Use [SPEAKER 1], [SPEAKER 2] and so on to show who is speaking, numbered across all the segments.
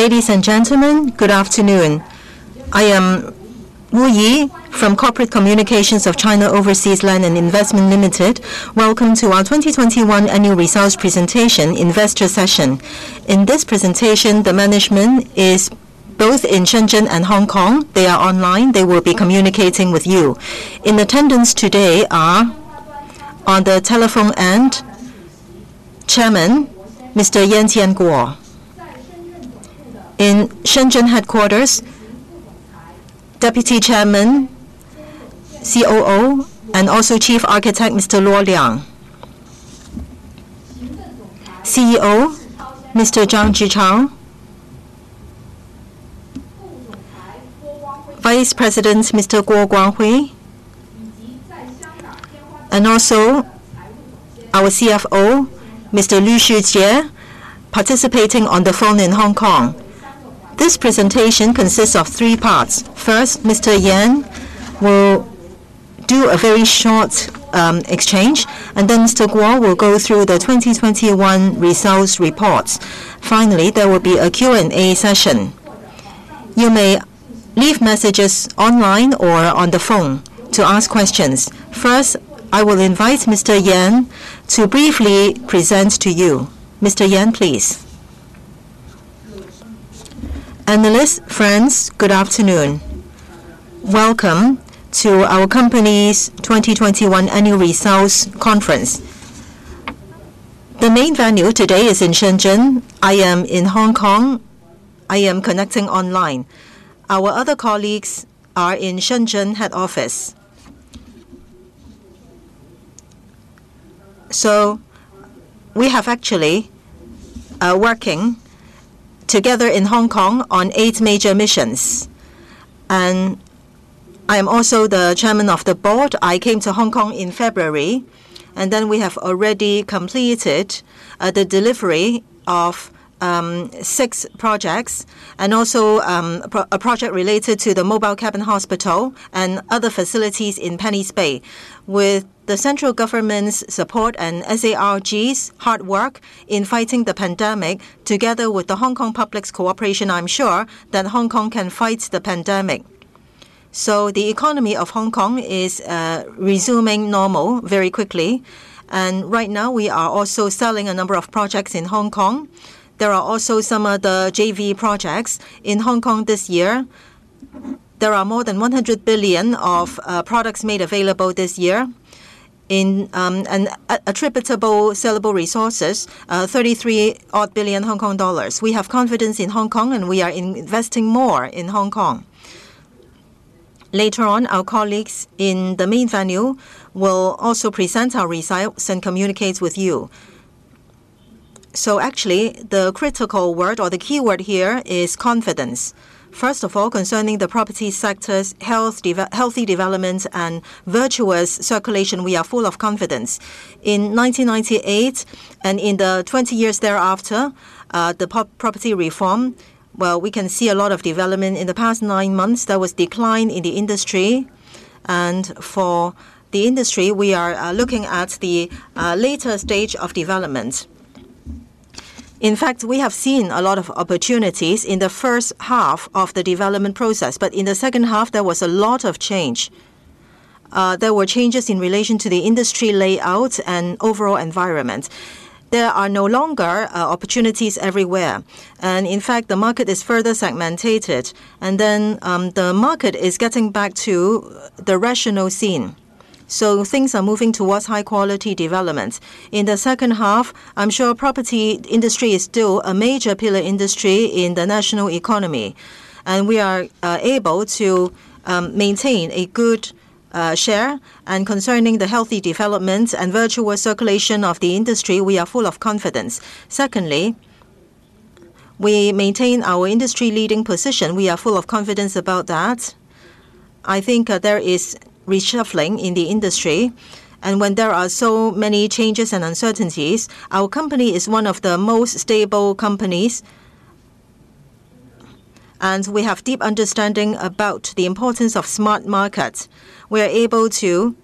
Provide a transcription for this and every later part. [SPEAKER 1] Ladies and gentlemen, good afternoon. I am Wu Yi from Corporate Communications of China Overseas Land and Investment Limited. Welcome to our 2021 annual results presentation investor session. In this presentation, the management is both in Shenzhen and Hong Kong. They are online. They will be communicating with you. In attendance today are on the telephone and Chairman Mr. Yan Jianguo. In Shenzhen headquarters, Deputy Chairman, COO, and also Chief Architect, Mr. Luo Liang. CEO, Mr. Zhang Zhichao. Vice President Mr. Guo Guanghui. And also our CFO, Mr. Lui Sai Kit, participating on the phone in Hong Kong. This presentation consists of three parts. First, Mr. Yan will do a very short exchange, and then Mr. Guo will go through the 2021 results reports. Finally, there will be a Q&A session. You may leave messages online or on the phone to ask questions. First, I will invite Mr. Yan to briefly present to you. Mr. Yan, please.
[SPEAKER 2] Analysts, friends, good afternoon. Welcome to our company's 2021 annual results conference. The main venue today is in Shenzhen. I am in Hong Kong. I am connecting online. Our other colleagues are in Shenzhen head office. We actually are working together in Hong Kong on eight major missions. I am also the chairman of the board. I came to Hong Kong in February, and then we have already completed the delivery of six projects and also a project related to the mobile cabin hospital and other facilities in Penny's Bay. With the central government's support and SAR Government's hard work in fighting the pandemic, together with the Hong Kong public's cooperation, I'm sure that Hong Kong can fight the pandemic. The economy of Hong Kong is resuming normal very quickly. Right now, we are also selling a number of projects in Hong Kong. There are also some other JV projects in Hong Kong this year. There are more than 100 billion of products made available this year in attributable sellable resources, 33-odd billion Hong Kong dollars. We have confidence in Hong Kong, and we are investing more in Hong Kong. Later on, our colleagues in the main venue will also present our results and communicate with you. Actually, the critical word or the keyword here is confidence. First of all, concerning the property sector's healthy development and virtuous circulation, we are full of confidence. In 1998, and in the 20 years thereafter, the property reform, we can see a lot of development. In the past nine months, there was decline in the industry, and for the industry, we are looking at the later stage of development. In fact, we have seen a lot of opportunities in the first half of the development process. In the second half, there was a lot of change. There were changes in relation to the industry layout and overall environment. There are no longer opportunities everywhere. In fact, the market is further segmented. The market is getting back to the rational sense. Things are moving towards high-quality development. In the second half, I'm sure property industry is still a major pillar industry in the national economy, and we are able to maintain a good share. Concerning the healthy development and virtuous circulation of the industry, we are full of confidence. Secondly, we maintain our industry leading position. We are full of confidence about that. I think, there is reshuffling in the industry. When there are so many changes and uncertainties, our company is one of the most stable companies. We have deep understanding about the importance of smart markets. We are able to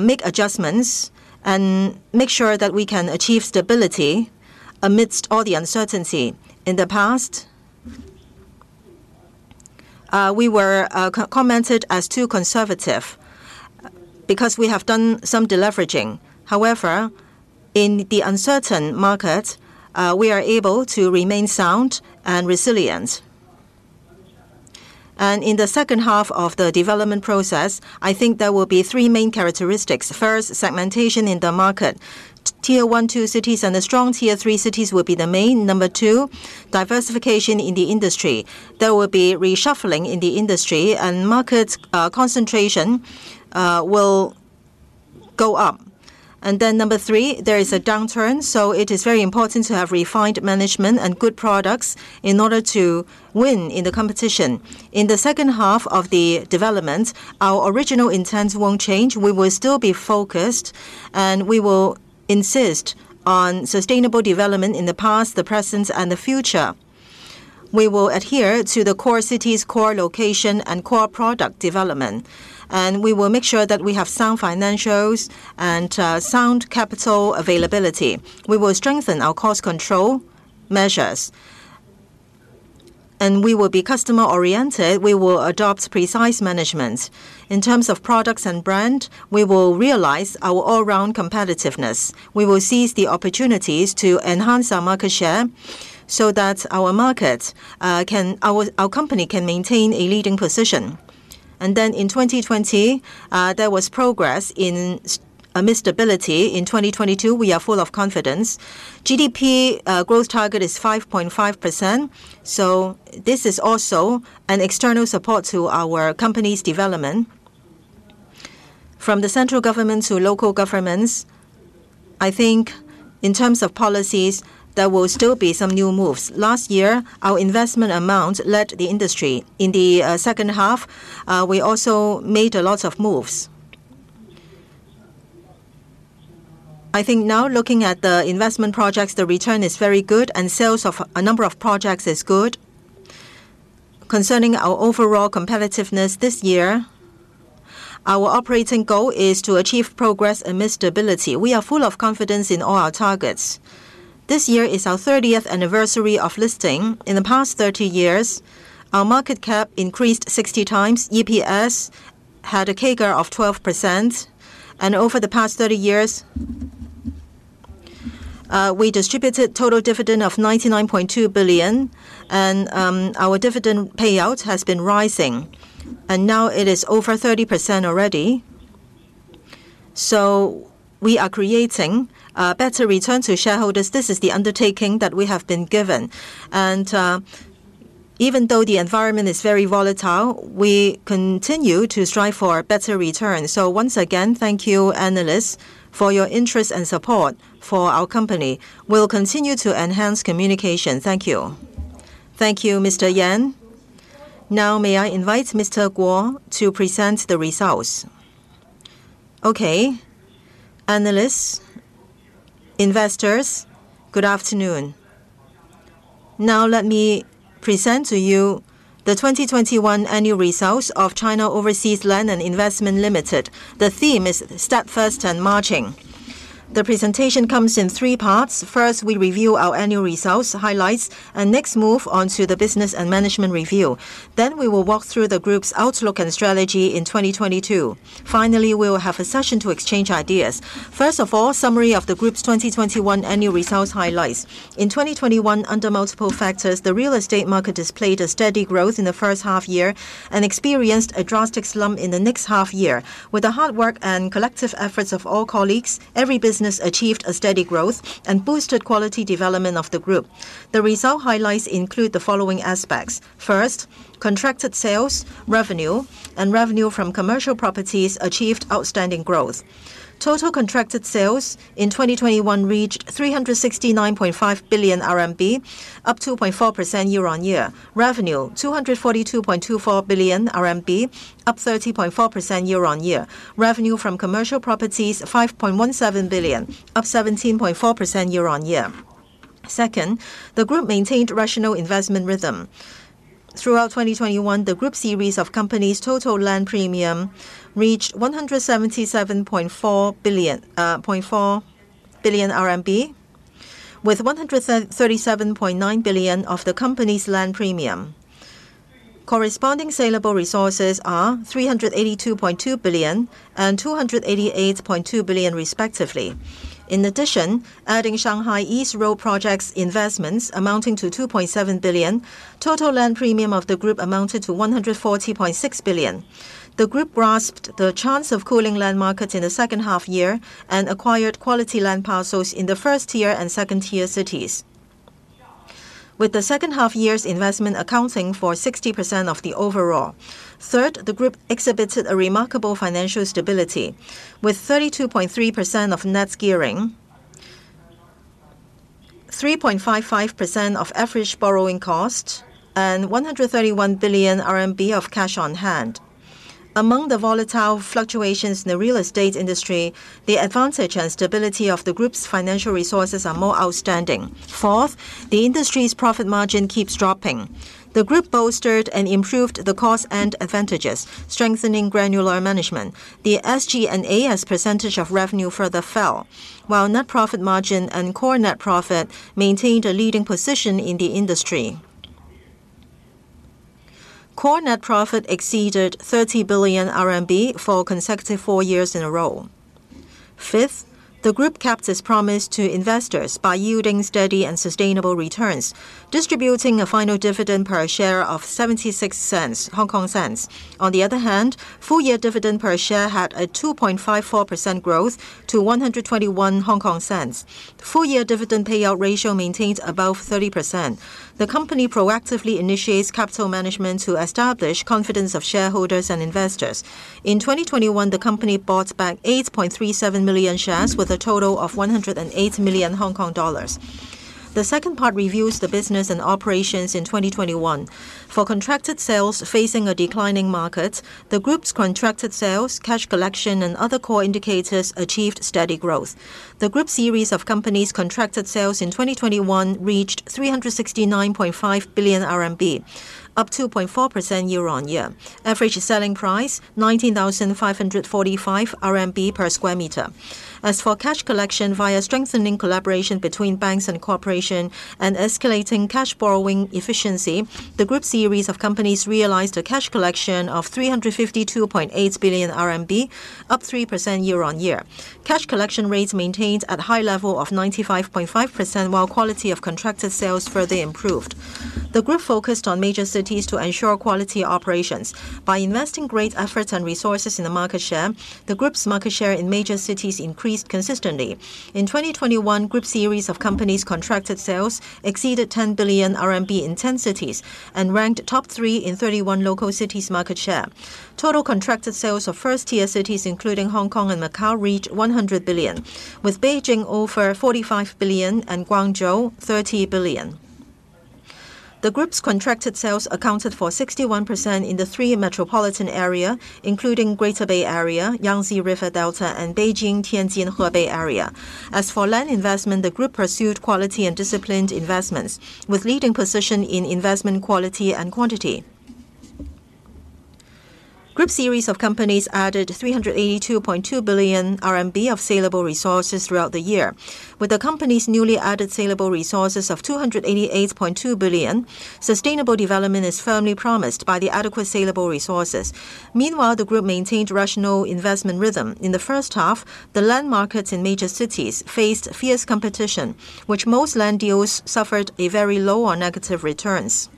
[SPEAKER 2] make adjustments and make sure that we can achieve stability amidst all the uncertainty. In the past, we were commented as too conservative because we have done some deleveraging. However, in the uncertain market, we are able to remain sound and resilient. In the second half of the development process, I think there will be three main characteristics. First, segmentation in the market. Tier one, two cities and the strong Tier three cities will be the main. Number two, diversification in the industry. There will be reshuffling in the industry and market, concentration will go up. Then number three, there is a downturn, so it is very important to have refined management and good products in order to win in the competition. In the second half of the development, our original intents won't change. We will still be focused, and we will insist on sustainable development in the past, the present, and the future. We will adhere to the core cities, core location, and core product development. We will make sure that we have sound financials and sound capital availability. We will strengthen our cost control measures. We will be customer oriented. We will adopt precise management. In terms of products and brand, we will realize our all-round competitiveness. We will seize the opportunities to enhance our market share so that our market, our company can maintain a leading position. In 2020, there was progress amid stability. In 2022, we are full of confidence. GDP growth target is 5.5%, so this is also an external support to our company's development. From the central governments to local governments, I think in terms of policies, there will still be some new moves. Last year, our investment amount led the industry. In the second half, we also made a lot of moves. I think now looking at the investment projects, the return is very good, and sales of a number of projects is good. Concerning our overall competitiveness this year, our operating goal is to achieve progress amid stability. We are full of confidence in all our targets. This year is our 30th anniversary of listing. In the past 30 years, our market cap increased 60 times, EPS had a CAGR of 12%, and over the past 30 years, we distributed total dividend of 99.2 billion, and our dividend payout has been rising and now it is over 30% already. We are creating better return to shareholders. This is the undertaking that we have been given. Even though the environment is very volatile, we continue to strive for better returns. Once again, thank you, analysts, for your interest and support for our company. We'll continue to enhance communication. Thank you.
[SPEAKER 1] Thank you, Mr. Yan. Now, may I invite Mr. Guo to present the results.
[SPEAKER 3] Okay. Analysts, investors, good afternoon. Now let me present to you the 2021 annual results of China Overseas Land and Investment Limited. The theme is Step First and Marching. The presentation comes in three parts. First, we review our annual results, highlights, and next move on to the business and management review. Then we will walk through the group's outlook and strategy in 2022. Finally, we will have a session to exchange ideas. First of all, summary of the group's 2021 annual results highlights. In 2021, under multiple factors, the real estate market displayed a steady growth in the first half year and experienced a drastic slump in the next half year. With the hard work and collective efforts of all colleagues, every business achieved a steady growth and boosted quality development of the group. The result highlights include the following aspects. First, contracted sales, revenue, and revenue from commercial properties achieved outstanding growth. Total contracted sales in 2021 reached 369.5 billion RMB, up 2.4% year-on-year. Revenue, 242.24 billion RMB, up 30.4% year-on-year. Revenue from commercial properties, 5.17 billion, up 17.4% year-on-year. Second, the group maintained rational investment rhythm. Throughout 2021, the group series of companies' total land premium reached 177.4 billion with 137.9 billion of the company's land premium. Corresponding sellable resources are 382.2 billion and 288.2 billion respectively. In addition, adding Shanghai East Jianguo Road projects investments amounting to 2.7 billion, total land premium of the group amounted to 140.6 billion. The group grasped the chance of cooling land markets in the second half year and acquired quality land parcels in the first Tier and second Tier cities, with the second half year's investment accounting for 60% of the overall. Third, the group exhibited a remarkable financial stability with 32.3% of net gearing, 3.55% of average borrowing cost, and 131 billion RMB of cash on hand. Among the volatile fluctuations in the real estate industry, the advantage and stability of the group's financial resources are more outstanding. Fourth, the industry's profit margin keeps dropping. The group bolstered and improved the cost and advantages, strengthening granular management. The SG&A's percentage of revenue further fell, while net profit margin and core net profit maintained a leading position in the industry. Core net profit exceeded 30 billion RMB for four consecutive years in a row. Fifth, the group kept its promise to investors by yielding steady and sustainable returns, distributing a final dividend per share of 0.76. On the other hand, full year dividend per share had a 2.54% growth to 1.21. Full year dividend payout ratio maintains above 30%. The company proactively initiates capital management to establish confidence of shareholders and investors. In 2021, the company bought back 8.37 million shares with a total of 108 million Hong Kong dollars. The second part reviews the business and operations in 2021. For contracted sales facing a declining market, the group's contracted sales, cash collection, and other core indicators achieved steady growth. The group series of companies contracted sales in 2021 reached 369.5 billion RMB, up 2.4% year-on-year. Average selling price 19,545 RMB per sq m. As for cash collection via strengthening collaboration between banks and corporations and enhancing cash collection efficiency, the group series of companies realized a cash collection of 352.8 billion RMB, up 3% year-on-year. Cash collection rates maintained at high level of 95.5%, while quality of contracted sales further improved. The group focused on major cities to ensure quality operations. By investing great efforts and resources in the market share, the group's market share in major cities increased consistently. In 2021, group series of companies contracted sales exceeded 10 billion RMB in 10 cities and ranked top three in 31 local cities market share. Total contracted sales of first-tier cities, including Hong Kong and Macau, reached 100 billion, with Beijing over 45 billion and Guangzhou 30 billion. The group's contracted sales accounted for 61% in the three metropolitan areas, including Greater Bay Area, Yangtze River Delta, and Beijing-Tianjin-Hebei area. As for land investment, the group pursued quality and disciplined investments, with leading position in investment quality and quantity. Group series of companies added 382.2 billion RMB of saleable resources throughout the year. With the company's newly added saleable resources of 288.2 billion, sustainable development is firmly promised by the adequate saleable resources. Meanwhile, the group maintained rational investment rhythm. In the first half, the land markets in major cities faced fierce competition, which most land deals suffered a very low or negative returns.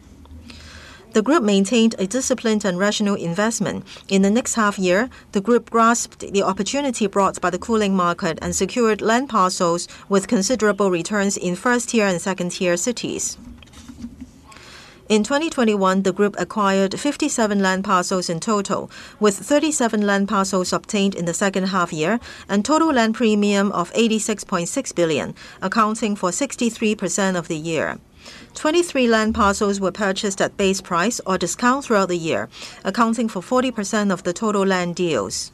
[SPEAKER 3] The group maintained a disciplined and rational investment. In the next half year, the group grasped the opportunity brought by the cooling market and secured land parcels with considerable returns in first-tier and second-tier cities. In 2021, the group acquired 57 land parcels in total, with 37 land parcels obtained in the second half year and total land premium of 86.6 billion, accounting for 63% of the year. 23 land parcels were purchased at base price or discount throughout the year, accounting for 40% of the total land deals.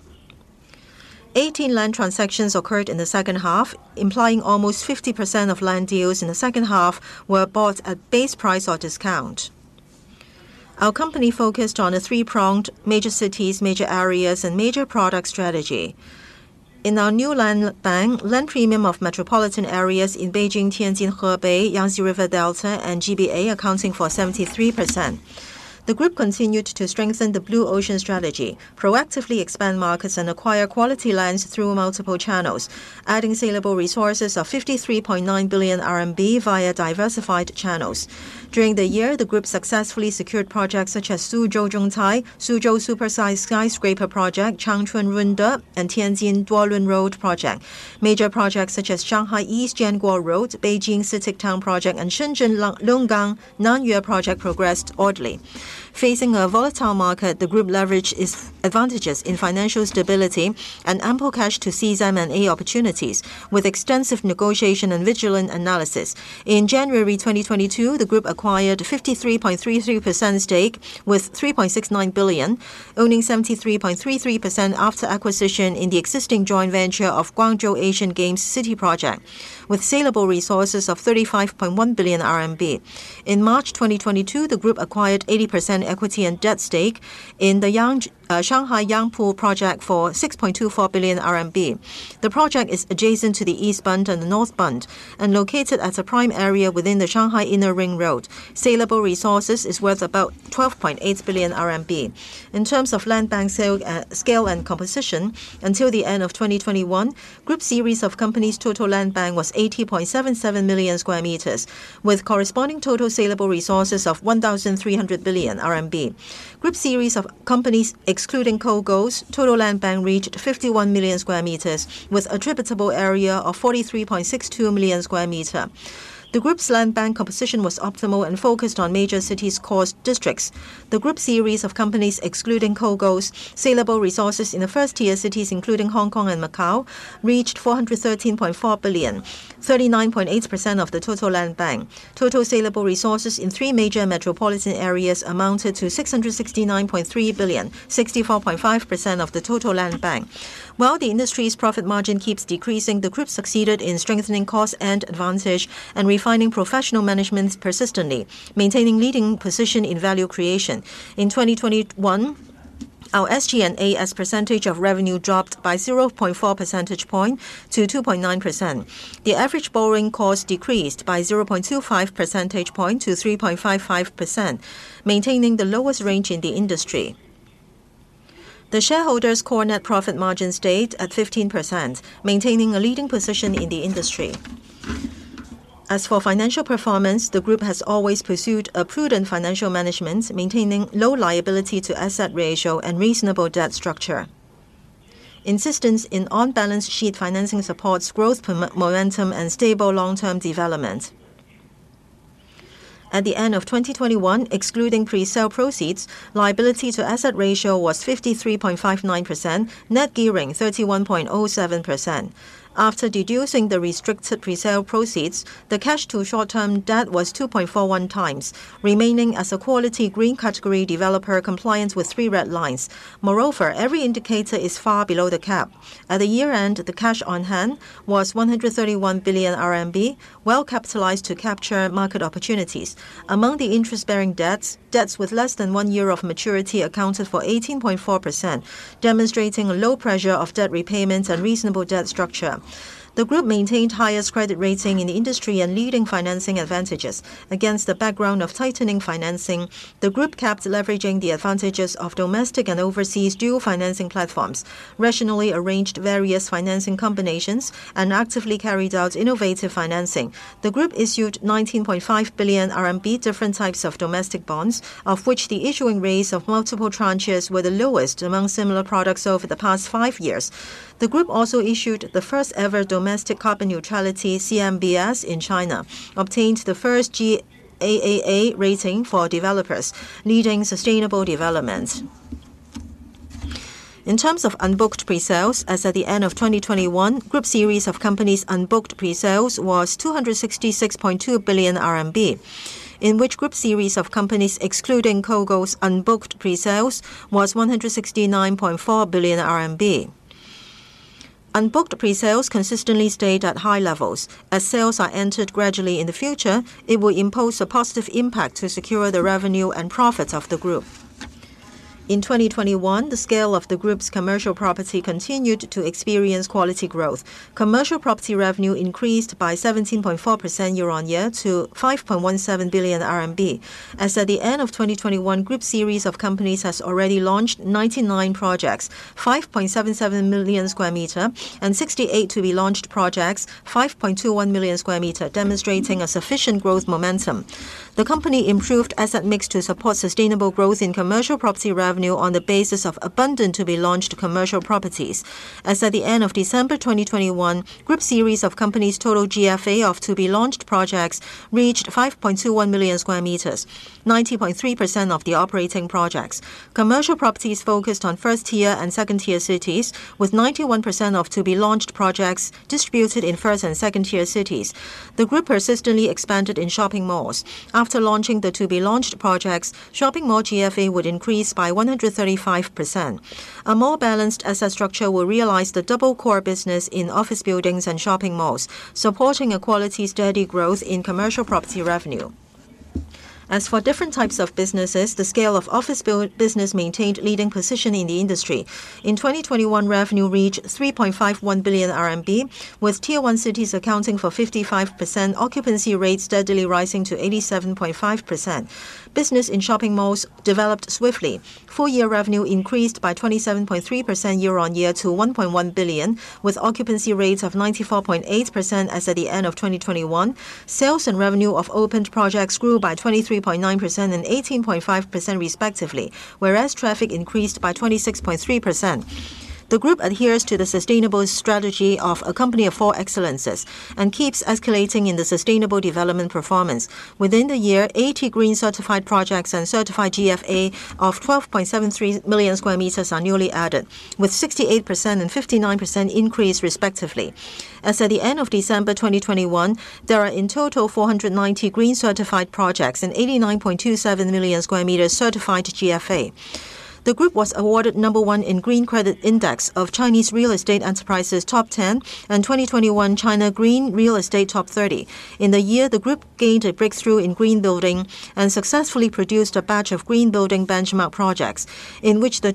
[SPEAKER 3] 18 land transactions occurred in the second half, implying almost 50% of land deals in the second half were bought at base price or discount. Our company focused on a three-pronged major cities, major areas, and major product strategy. In our new land bank, land premium of metropolitan areas in Beijing-Tianjin-Hebei, Yangtze River Delta, and GBA accounting for 73%. The group continued to strengthen the blue ocean strategy, proactively expand markets, and acquire quality lands through multiple channels, adding saleable resources of 53.9 billion RMB via diversified channels. During the year, the group successfully secured projects such as Suzhou Zhongcai, Suzhou super-sized skyscraper project, Changchun Runde, and Tianjin Duolun Road project. Major projects such as Shanghai East Jianguo Road, Beijing City Town project, and Shenzhen Longgang Nanyue project progressed orderly. Facing a volatile market, the group leveraged its advantages in financial stability and ample cash to seize M&A opportunities with extensive negotiation and vigilant analysis. In January 2022, the group acquired 53.33% stake with 3.69 billion, owning 73.33% after acquisition in the existing joint venture of Guangzhou Asian Games City project, with saleable resources of 35.1 billion RMB. In March 2022, the group acquired 80% equity and debt stake in the Shanghai Yangpu project for 6.24 billion RMB. The project is adjacent to the East Bund and the North Bund and located at a prime area within the Shanghai Inner Ring Road. Saleable resources is worth about 12.8 billion RMB. In terms of land bank sale, scale, and composition, until the end of 2021, group series of companies' total land bank was 80.77 million sq m, with corresponding total saleable resources of 1,300 billion RMB. Group series of companies, excluding COGO's, total land bank reached 51 million sq m with attributable area of 43.62 million sq m. The group's land bank composition was optimal and focused on major cities' core districts. The group series of companies, excluding COGO's, saleable resources in the first-tier cities, including Hong Kong and Macau, reached 413.4 billion, 39.8% of the total land bank. Total saleable resources in three major metropolitan areas amounted to 669.3 billion, 64.5% of the total land bank. While the industry's profit margin keeps decreasing, the group succeeded in strengthening cost and advantage and refining professional managements persistently, maintaining leading position in value creation. In 2021, our SG&A as percentage of revenue dropped by 0.4 percentage point to 2.9%. The average borrowing cost decreased by 0.25 percentage point to 3.55%, maintaining the lowest range in the industry. The shareholders' core net profit margin stayed at 15%, maintaining a leading position in the industry. As for financial performance, the group has always pursued a prudent financial management, maintaining low liability to asset ratio and reasonable debt structure. Insistence on on-balance-sheet financing supports growth permanent momentum and stable long-term development. At the end of 2021, excluding presale proceeds, liability to asset ratio was 53.59%. Net gearing, 31.07%. After deducting the restricted presale proceeds, the cash to short-term debt was 2.41x, remaining as a quality green category developer in compliance with three red lines. Moreover, every indicator is far below the cap. At the year-end, the cash on hand was 131 billion RMB, well capitalized to capture market opportunities. Among the interest-bearing debts with less than one year of maturity accounted for 18.4%, demonstrating low pressure of debt repayments and reasonable debt structure. The group maintained highest credit rating in the industry and leading financing advantages. Against the background of tightening financing, the group kept leveraging the advantages of domestic and overseas dual financing platforms, rationally arranged various financing combinations, and actively carried out innovative financing. The group issued 19.5 billion RMB different types of domestic bonds, of which the issuing rates of multiple tranches were the lowest among similar products over the past five years. The group also issued the first-ever domestic carbon neutrality CMBS in China, obtained the first Green AAA rating for developers, leading sustainable developments. In terms of unbooked presales, as at the end of 2021, group series of companies unbooked presales was 266.2 billion RMB, in which group series of companies excluding COGO's unbooked presales was 169.4 billion RMB. Unbooked presales consistently stayed at high levels. As sales are entered gradually in the future, it will impose a positive impact to secure the revenue and profits of the group. In 2021, the scale of the group's commercial property continued to experience quality growth. Commercial property revenue increased by 17.4% year-on-year to 5.17 billion RMB. As at the end of 2021, group series of companies has already launched 99 projects, 5.77 million sq m, and 60 to-be-launched projects, 5.21 million sq m, demonstrating a sufficient growth momentum. The company improved asset mix to support sustainable growth in commercial property revenue on the basis of abundant to-be-launched commercial properties. As at the end of December 2021, group series of companies total GFA of to-be-launched projects reached 5.21 million sq m, 90.3% of the operating projects. Commercial properties focused on first-tier and second-tier cities, with 91% of to-be-launched projects distributed in first-tier and second-tier cities. The group persistently expanded in shopping malls. After launching the to-be-launched projects, shopping mall GFA would increase by 135%. A more balanced asset structure will realize the double core business in office buildings and shopping malls, supporting a quality steady growth in commercial property revenue. As for different types of businesses, the scale of office building business maintained leading position in the industry. In 2021, revenue reached 3.51 billion RMB, with Tier-one cities accounting for 55%, occupancy rates steadily rising to 87.5%. Business in shopping malls developed swiftly. Full year revenue increased by 27.3% year on year to 1.1 billion, with occupancy rates of 94.8% as at the end of 2021. Sales and revenue of opened projects grew by 23.9% and 18.5% respectively, whereas traffic increased by 26.3%. The group adheres to the sustainable strategy of a company of four excellences and keeps escalating in the sustainable development performance. Within the year, 80 green certified projects and certified GFA of 12.73 million sq m are newly added, with 68% and 59% increase respectively. As at the end of December 2021, there are in total 490 green certified projects and 89.27 million sq m certified GFA. The group was awarded number one in Green Credit Index of Chinese Real Estate Enterprises Top Ten and 2021 China Green Real Estate Top 30. In the year, the Group gained a breakthrough in green building and successfully produced a batch of green building benchmark projects, in which The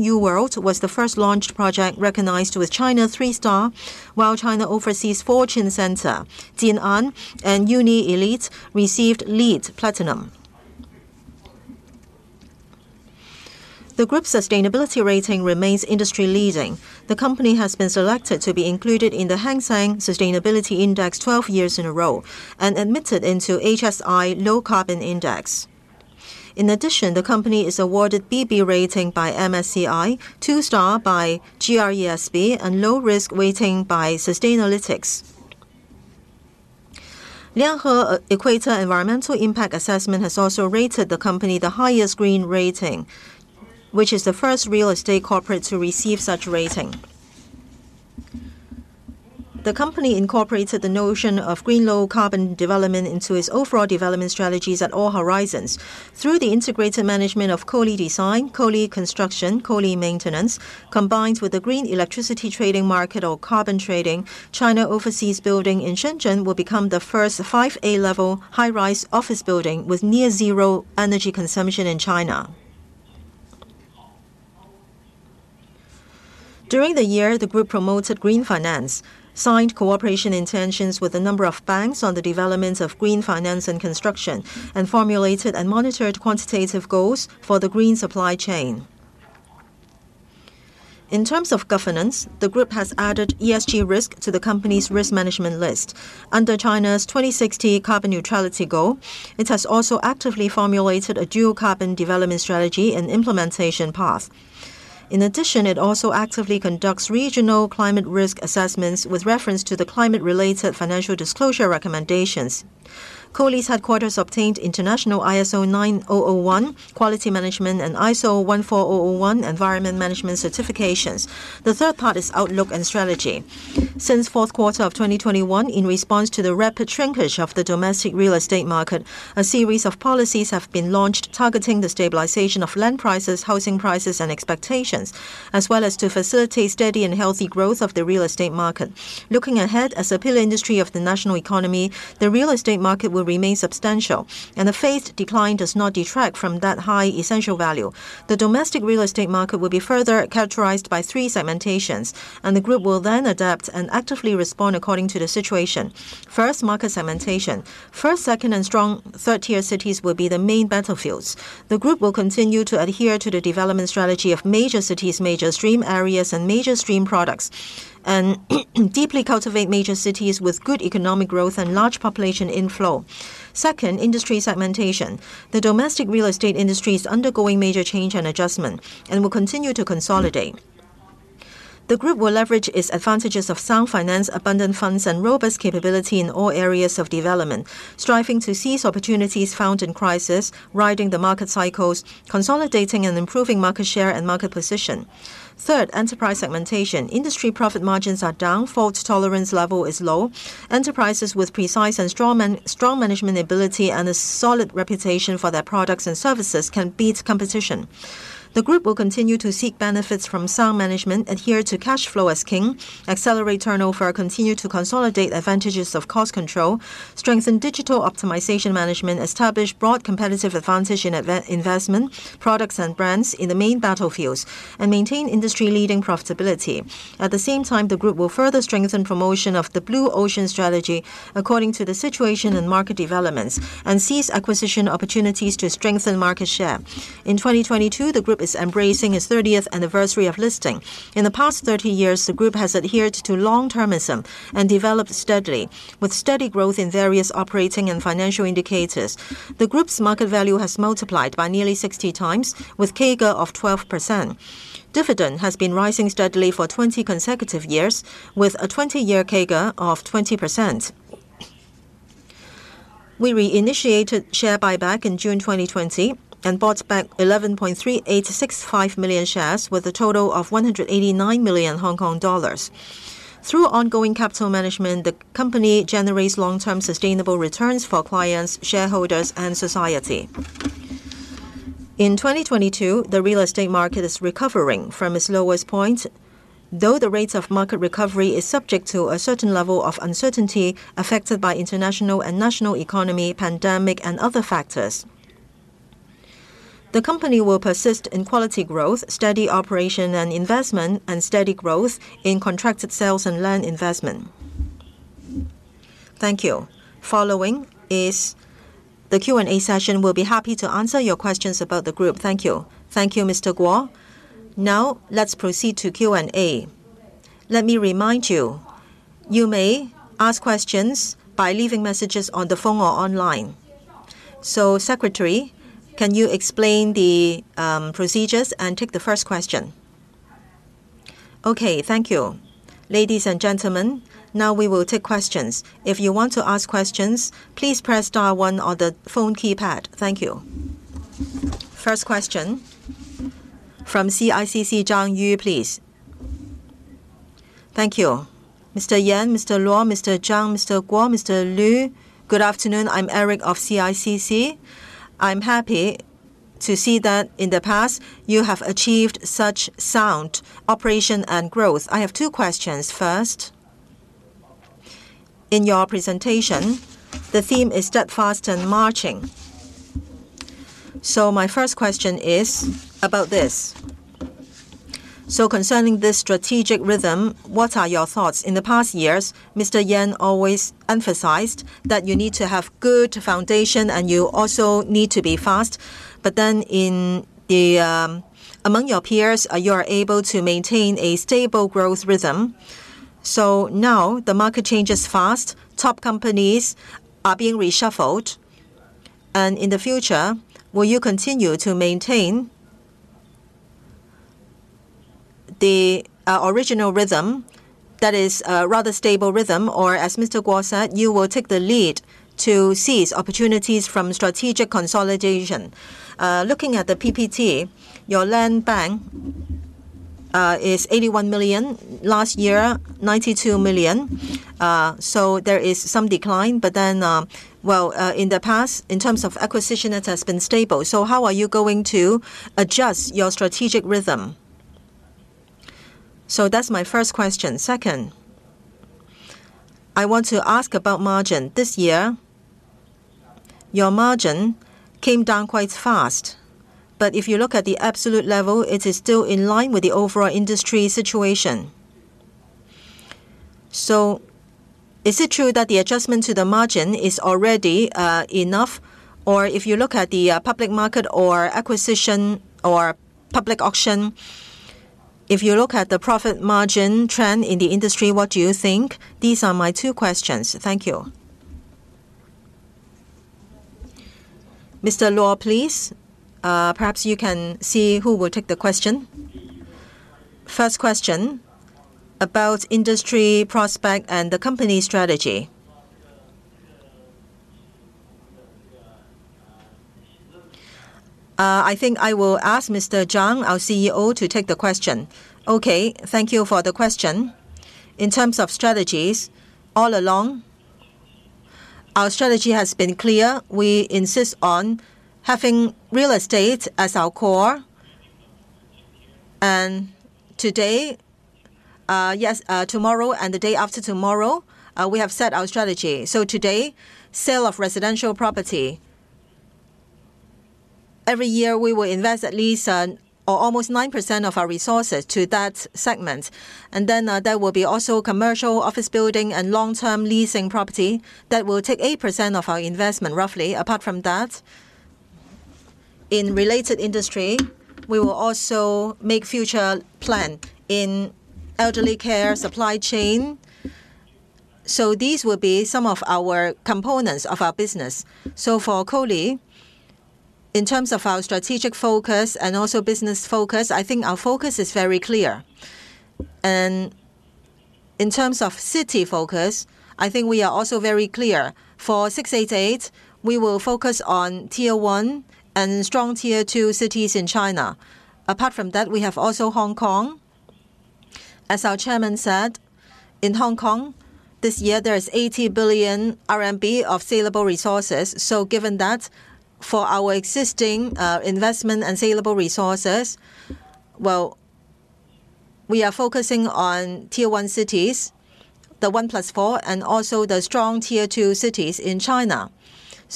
[SPEAKER 3] U World was the first launched project recognized with China Three-Star, while China Overseas Fortune Center, Jin'an, and Uni ELITE received LEED Platinum. The Group sustainability rating remains industry-leading. The company has been selected to be included in the Hang Seng Sustainability Index 12 years in a row and admitted into HSI Low Carbon Index. In addition, the company is awarded BB rating by MSCI, two-star by GRESB, and low risk weighting by Sustainalytics. Lianhe Equator Environmental Impact Assessment has also rated the company the highest green rating, which is the first real estate corporate to receive such rating. The company incorporated the notion of green low carbon development into its overall development strategies at all horizons. Through the integrated management of COLI design, COLI construction, COLI maintenance, combined with the green electricity trading market or carbon trading, Shenzhen China Overseas Building will become the first Grade 5A high-rise office building with near-zero energy consumption in China. During the year, the group promoted green finance, signed cooperation intentions with a number of banks on the developments of green finance and construction, and formulated and monitored quantitative goals for the green supply chain. In terms of governance, the group has added ESG risk to the company's risk management list. Under China's 2060 carbon neutrality goal, it has also actively formulated a dual carbon development strategy and implementation path. In addition, it also actively conducts regional climate risk assessments with reference to the climate-related financial disclosure recommendations. COLI's headquarters obtained international ISO 9001 quality management and ISO 14001 environmental management certifications. The third part is outlook and strategy. Since fourth quarter of 2021, in response to the rapid shrinkage of the domestic real estate market, a series of policies have been launched, targeting the stabilization of land prices, housing prices and expectations, as well as to facilitate steady and healthy growth of the real estate market. Looking ahead, as a pillar industry of the national economy, the real estate market will remain substantial, and the phased decline does not detract from that high essential value. The domestic real estate market will be further characterized by three segmentations, and the group will then adapt and actively respond according to the situation. First, market segmentation. First, second, and strong third-tier cities will be the main battlefields. The group will continue to adhere to the development strategy of major cities, mainstream areas and mainstream products, and deeply cultivate major cities with good economic growth and large population inflow. Second, industry segmentation. The domestic real estate industry is undergoing major change and adjustment and will continue to consolidate. The group will leverage its advantages of sound finance, abundant funds, and robust capability in all areas of development, striving to seize opportunities found in crisis, riding the market cycles, consolidating and improving market share and market position. Third, enterprise segmentation. Industry profit margins are down. Fault tolerance level is low. Enterprises with precise and strong management ability and a solid reputation for their products and services can beat competition. The group will continue to seek benefits from sound management, adhere to cash flow as king, accelerate turnover, continue to consolidate advantages of cost control, strengthen digital optimization management, establish broad competitive advantage in advanced investment, products and brands in the main battlefields, and maintain industry-leading profitability. The group will further strengthen promotion of the blue ocean strategy according to the situation and market developments, and seize acquisition opportunities to strengthen market share. In 2022, the group is embracing its 30th anniversary of listing. In the past 30 years, the group has adhered to long-termism and developed steadily, with steady growth in various operating and financial indicators. The group's market value has multiplied by nearly 60 times with CAGR of 12%. Dividend has been rising steadily for 20 consecutive years with a 20-year CAGR of 20%. We reinitiated share buyback in June 2020 and bought back 11.3865 million shares with a total of 189 million Hong Kong dollars. Through ongoing capital management, the company generates long-term sustainable returns for clients, shareholders and society. In 2022, the real estate market is recovering from its lowest point, though the rates of market recovery is subject to a certain level of uncertainty affected by international and national economy, pandemic and other factors. The company will persist in quality growth, steady operation and investment, and steady growth in contracted sales and land investment. Thank you. Following is the Q&A session. We'll be happy to answer your questions about the group.
[SPEAKER 1] Thank you. Thank you, Mr. Guo. Now let's proceed to Q&A. Let me remind you may ask questions by leaving messages on the phone or online. First question from CICC, Zhang Yu, please.
[SPEAKER 4] Thank you, Mr. Yan, Mr. Luo, Mr. Zhang, Mr. Guo, Mr. Lui. Good afternoon. I'm Eric of CICC. I'm happy to see that in the past you have achieved such sound operation and growth. I have two questions. First, in your presentation, the theme is steadfast and marching. My first question is about this. Concerning this strategic rhythm, what are your thoughts? In the past years, Mr. Yan always emphasized that you need to have good foundation and you also need to be fast. Among your peers, you are able to maintain a stable growth rhythm. Now the market changes fast. Top companies are being reshuffled. In the future, will you continue to maintain the original rhythm that is a rather stable rhythm? As Mr. Guo said, you will take the lead to seize opportunities from strategic consolidation. Looking at the PPT, your land bank is 81 million. Last year, 92 million. There is some decline. In the past, in terms of acquisition, it has been stable. How are you going to adjust your strategic rhythm? That's my first question. Second, I want to ask about margin. This year, your margin came down quite fast, but if you look at the absolute level, it is still in line with the overall industry situation. Is it true that the adjustment to the margin is already enough? Or if you look at the public market or acquisition or public auction, if you look at the profit margin trend in the industry, what do you think? These are my two questions. Thank you.
[SPEAKER 1] Mr. Luo, please. Perhaps you can see who will take the question. First question about industry prospect and the company strategy. I think I will ask Mr. Zhang, our CEO, to take the question.
[SPEAKER 5] Okay, thank you for the question. In terms of strategies, all along, our strategy has been clear. We insist on having real estate as our core. Today, yes, tomorrow and the day after tomorrow, we have set our strategy. Today, sale of residential property. Every year, we will invest at least or almost 9% of our resources to that segment. There will also be commercial office building and long-term leasing property that will take 8% of our investment roughly. Apart from that, in related industry, we will also make future plan in elderly care supply chain. These will be some of our components of our business. For COLI, in terms of our strategic focus and also business focus, I think our focus is very clear. In terms of city focus, I think we are also very clear. For 688, we will focus on Tier one and strong Tier two cities in China. Apart from that, we also have Hong Kong. As our Chairman said, in Hong Kong, this year there is 80 billion RMB of saleable resources. Given that, for our existing investment and saleable resources, we are focusing on Tier one cities, the 1+4, and also the strong Tier two cities in China.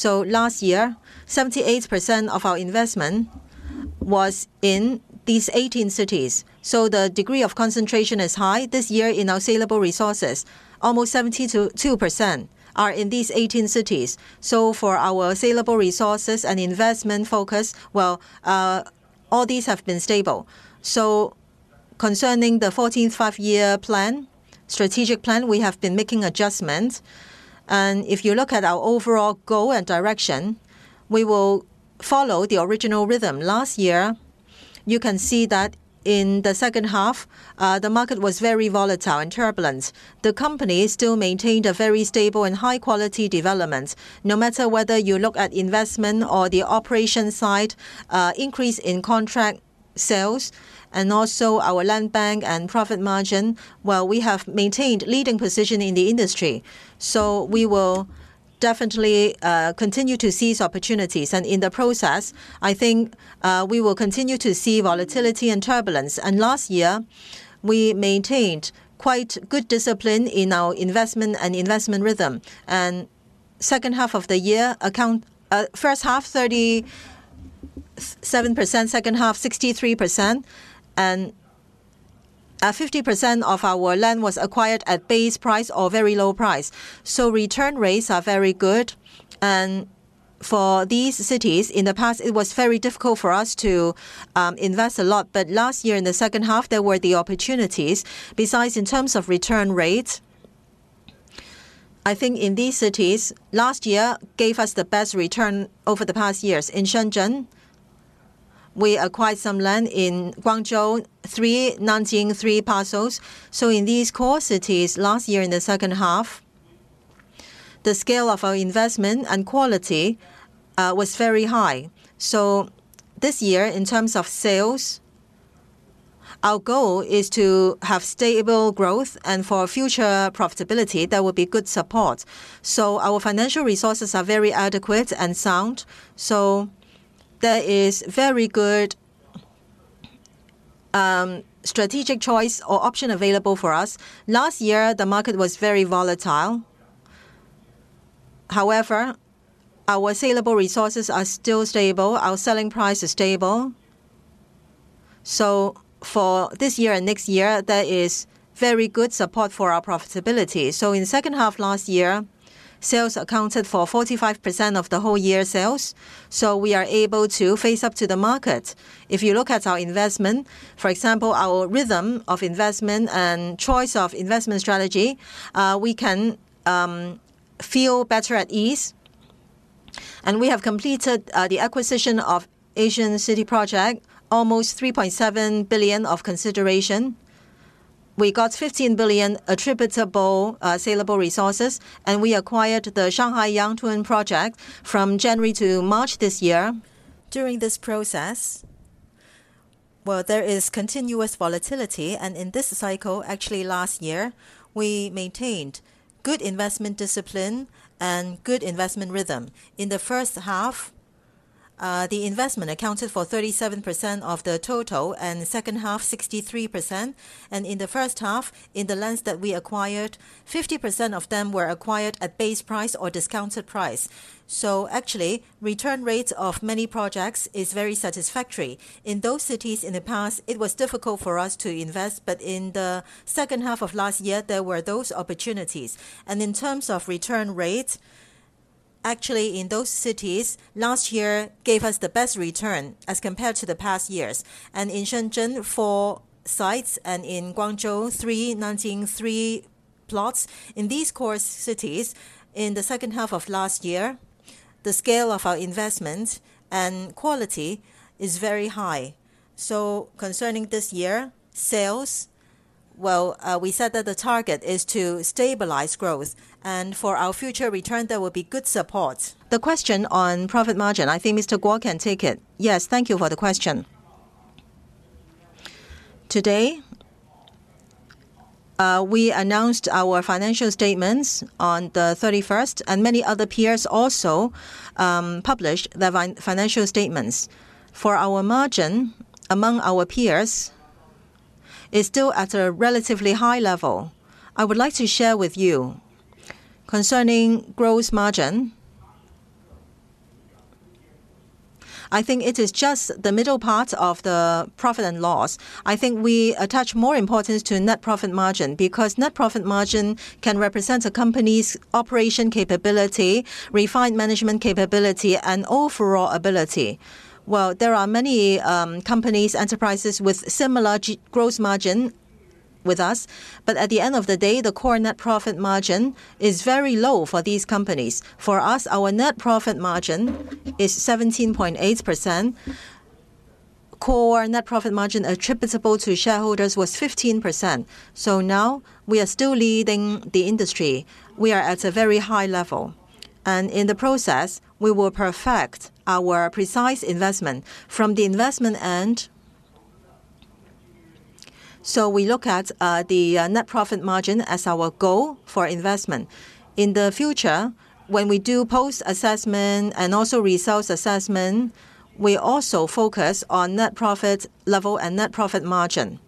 [SPEAKER 5] Last year, 78% of our investment was in these 18 cities. The degree of concentration is high. This year in our saleable resources, almost 72% are in these 18 cities. For our saleable resources and investment focus, all these have been stable. Concerning the 14th Five-Year Plan, strategic plan, we have been making adjustments. If you look at our overall goal and direction, we will follow the original rhythm. Last year, you can see that in the second half, the market was very volatile and turbulent. The company still maintained a very stable and high quality development. No matter whether you look at investment or the operation side, increase in contract sales and also our land bank and profit margin. Well, we have maintained leading position in the industry. We will definitely continue to seize opportunities. In the process, I think, we will continue to see volatility and turbulence. Last year, we maintained quite good discipline in our investment rhythm. Second half of the year accounted for first half 37%, second half 63%. 50% of our land was acquired at base price or very low price. Return rates are very good. For these cities, in the past, it was very difficult for us to invest a lot. Last year in the second half, there were the opportunities. Besides, in terms of return rates, I think in these cities, last year gave us the best return over the past years. In Shenzhen, we acquired some land in Guangzhou, three in Nanjing, three parcels. In these core cities, last year in the second half, the scale of our investment and quality was very high. This year, in terms of sales, our goal is to have stable growth and for future profitability, there will be good support. Our financial resources are very adequate and sound. There is very good strategic choice or option available for us. Last year, the market was very volatile. However, our saleable resources are still stable. Our selling price is stable. For this year and next year, there will be very good support for our profitability. In second half last year, sales accounted for 45% of the whole year sales. We are able to face up to the market. If you look at our investment, for example, our rhythm of investment and choice of investment strategy, we can feel better at ease. We have completed the acquisition of Asian Games City project, almost 3.7 billion of consideration. We got 15 billion attributable saleable resources, and we acquired the Shanghai Yangpu project from January to March this year. During this process, there is continuous volatility. In this cycle, actually last year, we maintained good investment discipline and good investment rhythm. In the first half, the investment accounted for 37% of the total and second half 63%. In the first half, in the lands that we acquired, 50% of them were acquired at base price or discounted price. Actually, return rates of many projects is very satisfactory. In those cities in the past, it was difficult for us to invest, but in the second half of last year, there were those opportunities. In terms of return rates, actually in those cities, last year gave us the best return as compared to the past years. In Shenzhen, four sites, and in Guangzhou, three, Nanjing, three plots in these core cities in the second half of last year, the scale of our investment and quality is very high. Concerning this year, sales, well, we said that the target is to stabilize growth. For our future return, there will be good support. The question on profit margin, I think Mr. Guo can take it.
[SPEAKER 3] Yes. Thank you for the question. Today, we announced our financial statements on the 31st, and many other peers also published their financial statements. For our margin, among our peers, is still at a relatively high level. I would like to share with you concerning gross margin. I think it is just the middle part of the profit and loss. I think we attach more importance to net profit margin because net profit margin can represent a company's operation capability, refined management capability, and overall ability. Well, there are many companies, enterprises with similar gross margin with us. But at the end of the day, the core net profit margin is very low for these companies. For us, our net profit margin is 17.8%. Core net profit margin attributable to shareholders was 15%. Now we are still leading the industry. We are at a very high level. In the process, we will perfect our precise investment. From the investment end, we look at the net profit margin as our goal for investment. In the future, when we do post assessment and also results assessment, we also focus on net profit level and net profit margin.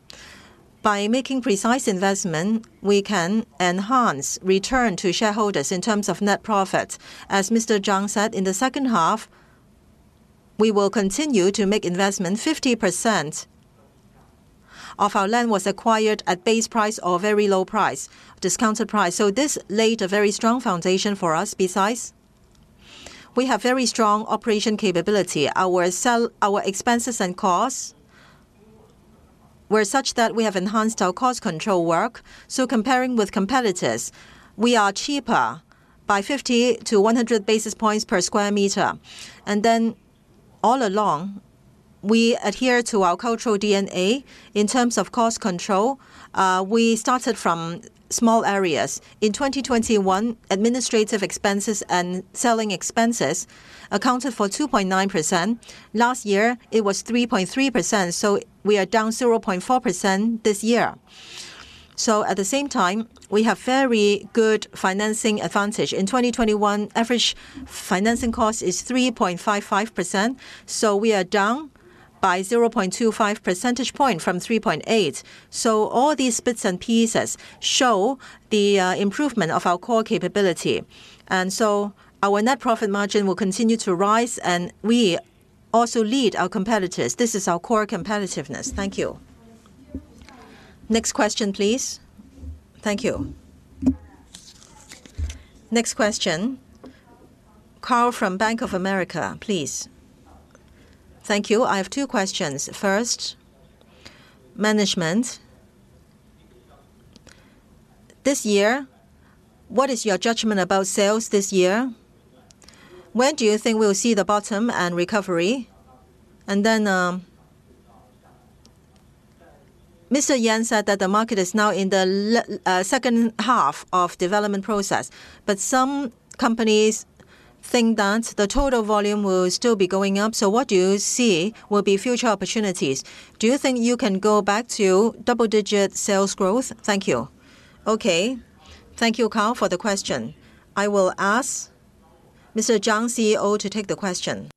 [SPEAKER 3] By making precise investment, we can enhance return to shareholders in terms of net profit. As Mr. Zhang said, in the second half, we will continue to make investment. 50% of our land was acquired at base price or very low price, discounted price. This laid a very strong foundation for us. Besides, we have very strong operation capability. Our expenses and costs were such that we have enhanced our cost control work. Comparing with competitors, we are cheaper by 50-100 basis points per sq m. All along, we adhere to our cultural DNA. In terms of cost control, we started from small areas. In 2021, administrative expenses and selling expenses accounted for 2.9%. Last year, it was 3.3%, so we are down 0.4% this year. At the same time, we have very good financing advantage. In 2021, average financing cost is 3.55%, so we are down by 0.25 percentage point from 3.8. All these bits and pieces show the improvement of our core capability. Our net profit margin will continue to rise, and we also lead our competitors. This is our core competitiveness. Thank you.
[SPEAKER 1] Next question, please. Thank you. Next question, Carl from Bank of America, please.
[SPEAKER 6] Thank you. I have two questions. First, management. This year, what is your judgment about sales this year? When do you think we'll see the bottom and recovery? And then, Mr. Yan said that the market is now in the second half of development process, but some companies think that the total volume will still be going up. So what do you see will be future opportunities? Do you think you can go back to double-digit sales growth? Thank you.
[SPEAKER 1] Okay. Thank you, Carl, for the question. I will ask Mr. Zhang, CEO, to take the question.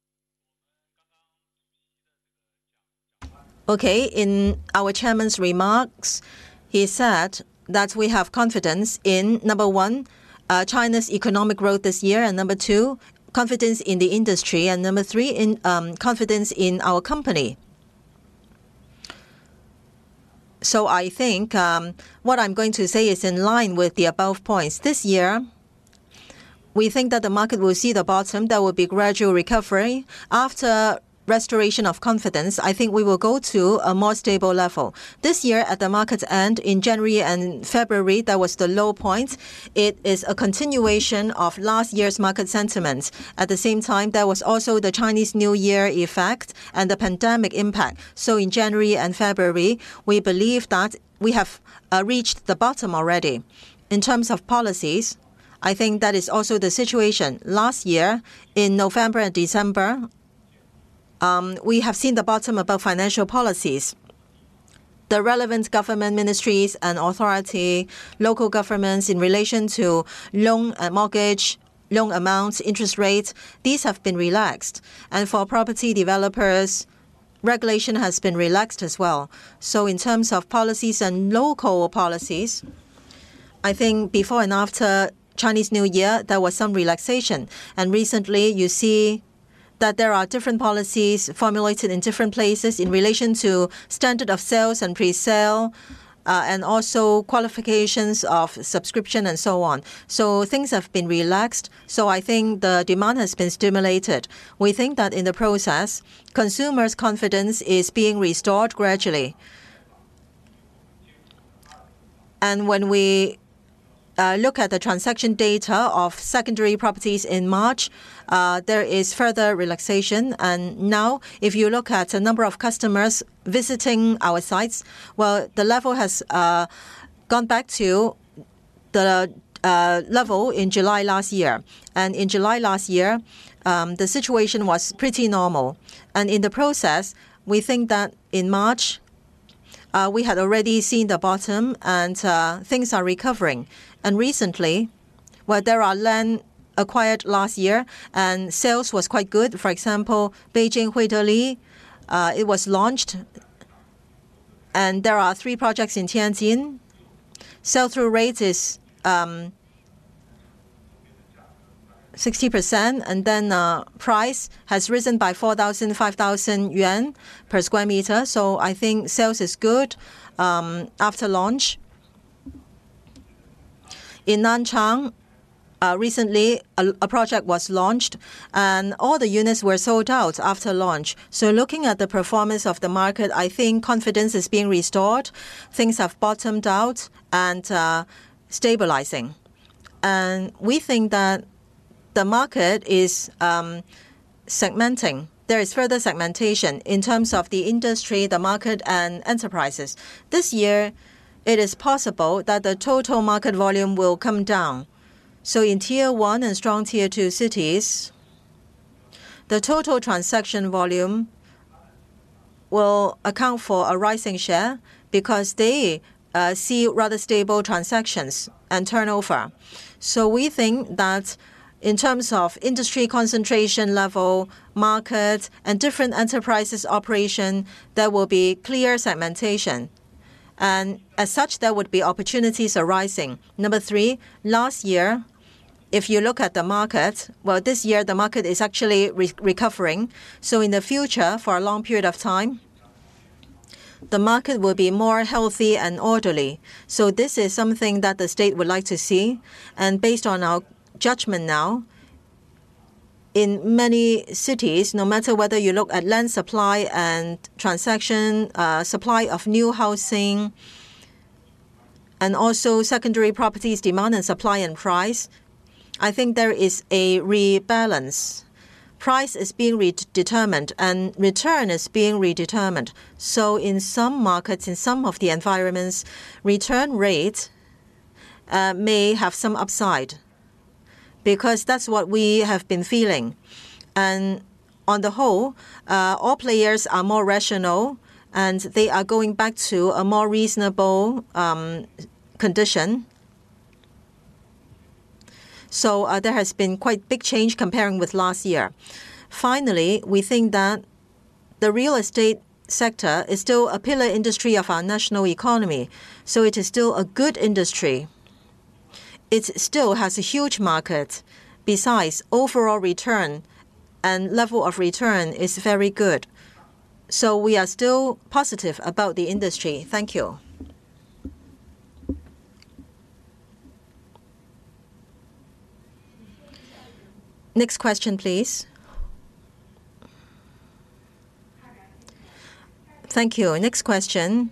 [SPEAKER 5] Okay. In our chairman's remarks, he said that we have confidence in, number one, China's economic growth this year, and number two, confidence in the industry, and number three, confidence in our company. I think what I'm going to say is in line with the above points. This year, we think that the market will see the bottom. There will be gradual recovery. After restoration of confidence, I think we will go to a more stable level. This year, at the market's end in January and February, that was the low point. It is a continuation of last year's market sentiments. At the same time, there was also the Chinese New Year effect and the pandemic impact. In January and February, we believe that we have reached the bottom already. In terms of policies, I think that is also the situation. Last year, in November and December, we have seen the bottom in financial policies. The relevant government ministries and authorities, local governments in relation to loan, mortgage, loan amounts, interest rates, these have been relaxed. For property developers, regulation has been relaxed as well. In terms of policies and local policies, I think before and after Chinese New Year, there was some relaxation. Recently, you see that there are different policies formulated in different places in relation to standard of sales and presale, and also qualifications of subscription and so on. Things have been relaxed, so I think the demand has been stimulated. We think that in the process, consumers' confidence is being restored gradually. When we look at the transaction data of secondary properties in March, there is further relaxation. Now if you look at the number of customers visiting our sites, the level has gone back to the level in July last year. In July last year, the situation was pretty normal. In the process, we think that in March, we had already seen the bottom and things are recovering. Recently, where there are land acquired last year and sales was quite good. For example, Beijing Huilili, it was launched and there are three projects in Tianjin. Sell-through rate is 60% and then price has risen by 4,000-5,000 yuan per sq m. I think sales is good after launch. In Nanchang, recently a project was launched and all the units were sold out after launch. Looking at the performance of the market, I think confidence is being restored. Things have bottomed out and stabilizing. We think that the market is segmenting. There is further segmentation in terms of the industry, the market and enterprises. This year, it is possible that the total market volume will come down. In Tier one and strong Tier two cities, the total transaction volume will account for a rising share because they see rather stable transactions and turnover. We think that in terms of industry concentration level, market and different enterprises operation, there will be clear segmentation. As such, there would be opportunities arising. Number three, last year, if you look at the market, well this year the market is actually recovering. In the future, for a long period of time, the market will be more healthy and orderly. This is something that the state would like to see. Based on our judgment now, in many cities, no matter whether you look at land supply and transaction, supply of new housing, and also secondary properties, demand and supply and price, I think there is a rebalance. Price is being redetermined and return is being redetermined. In some markets, in some of the environments, return rates may have some upside because that's what we have been feeling. On the whole, all players are more rational and they are going back to a more reasonable condition. There has been quite big change comparing with last year. Finally, we think that the real estate sector is still a pillar industry of our national economy, so it is still a good industry. It still has a huge market. Besides, overall return and level of return is very good. We are still positive about the industry. Thank you.
[SPEAKER 1] Next question, please. Thank you. Next question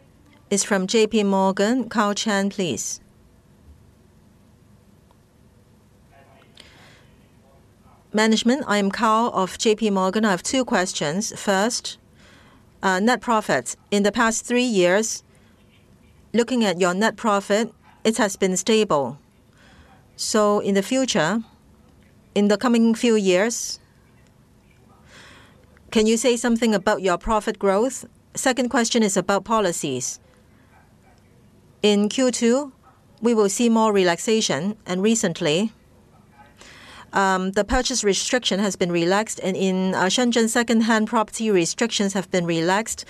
[SPEAKER 1] is from J.P. Morgan. Karl Chan, please.
[SPEAKER 7] Management, I am Karl of J.P. Morgan. I have two questions. First, net profits. In the past three years, looking at your net profit, it has been stable. In the future, in the coming few years, can you say something about your profit growth? Second question is about policies. In Q2, we will see more relaxation and recently, the purchase restriction has been relaxed, and in Shenzhen, secondhand property restrictions have been relaxed.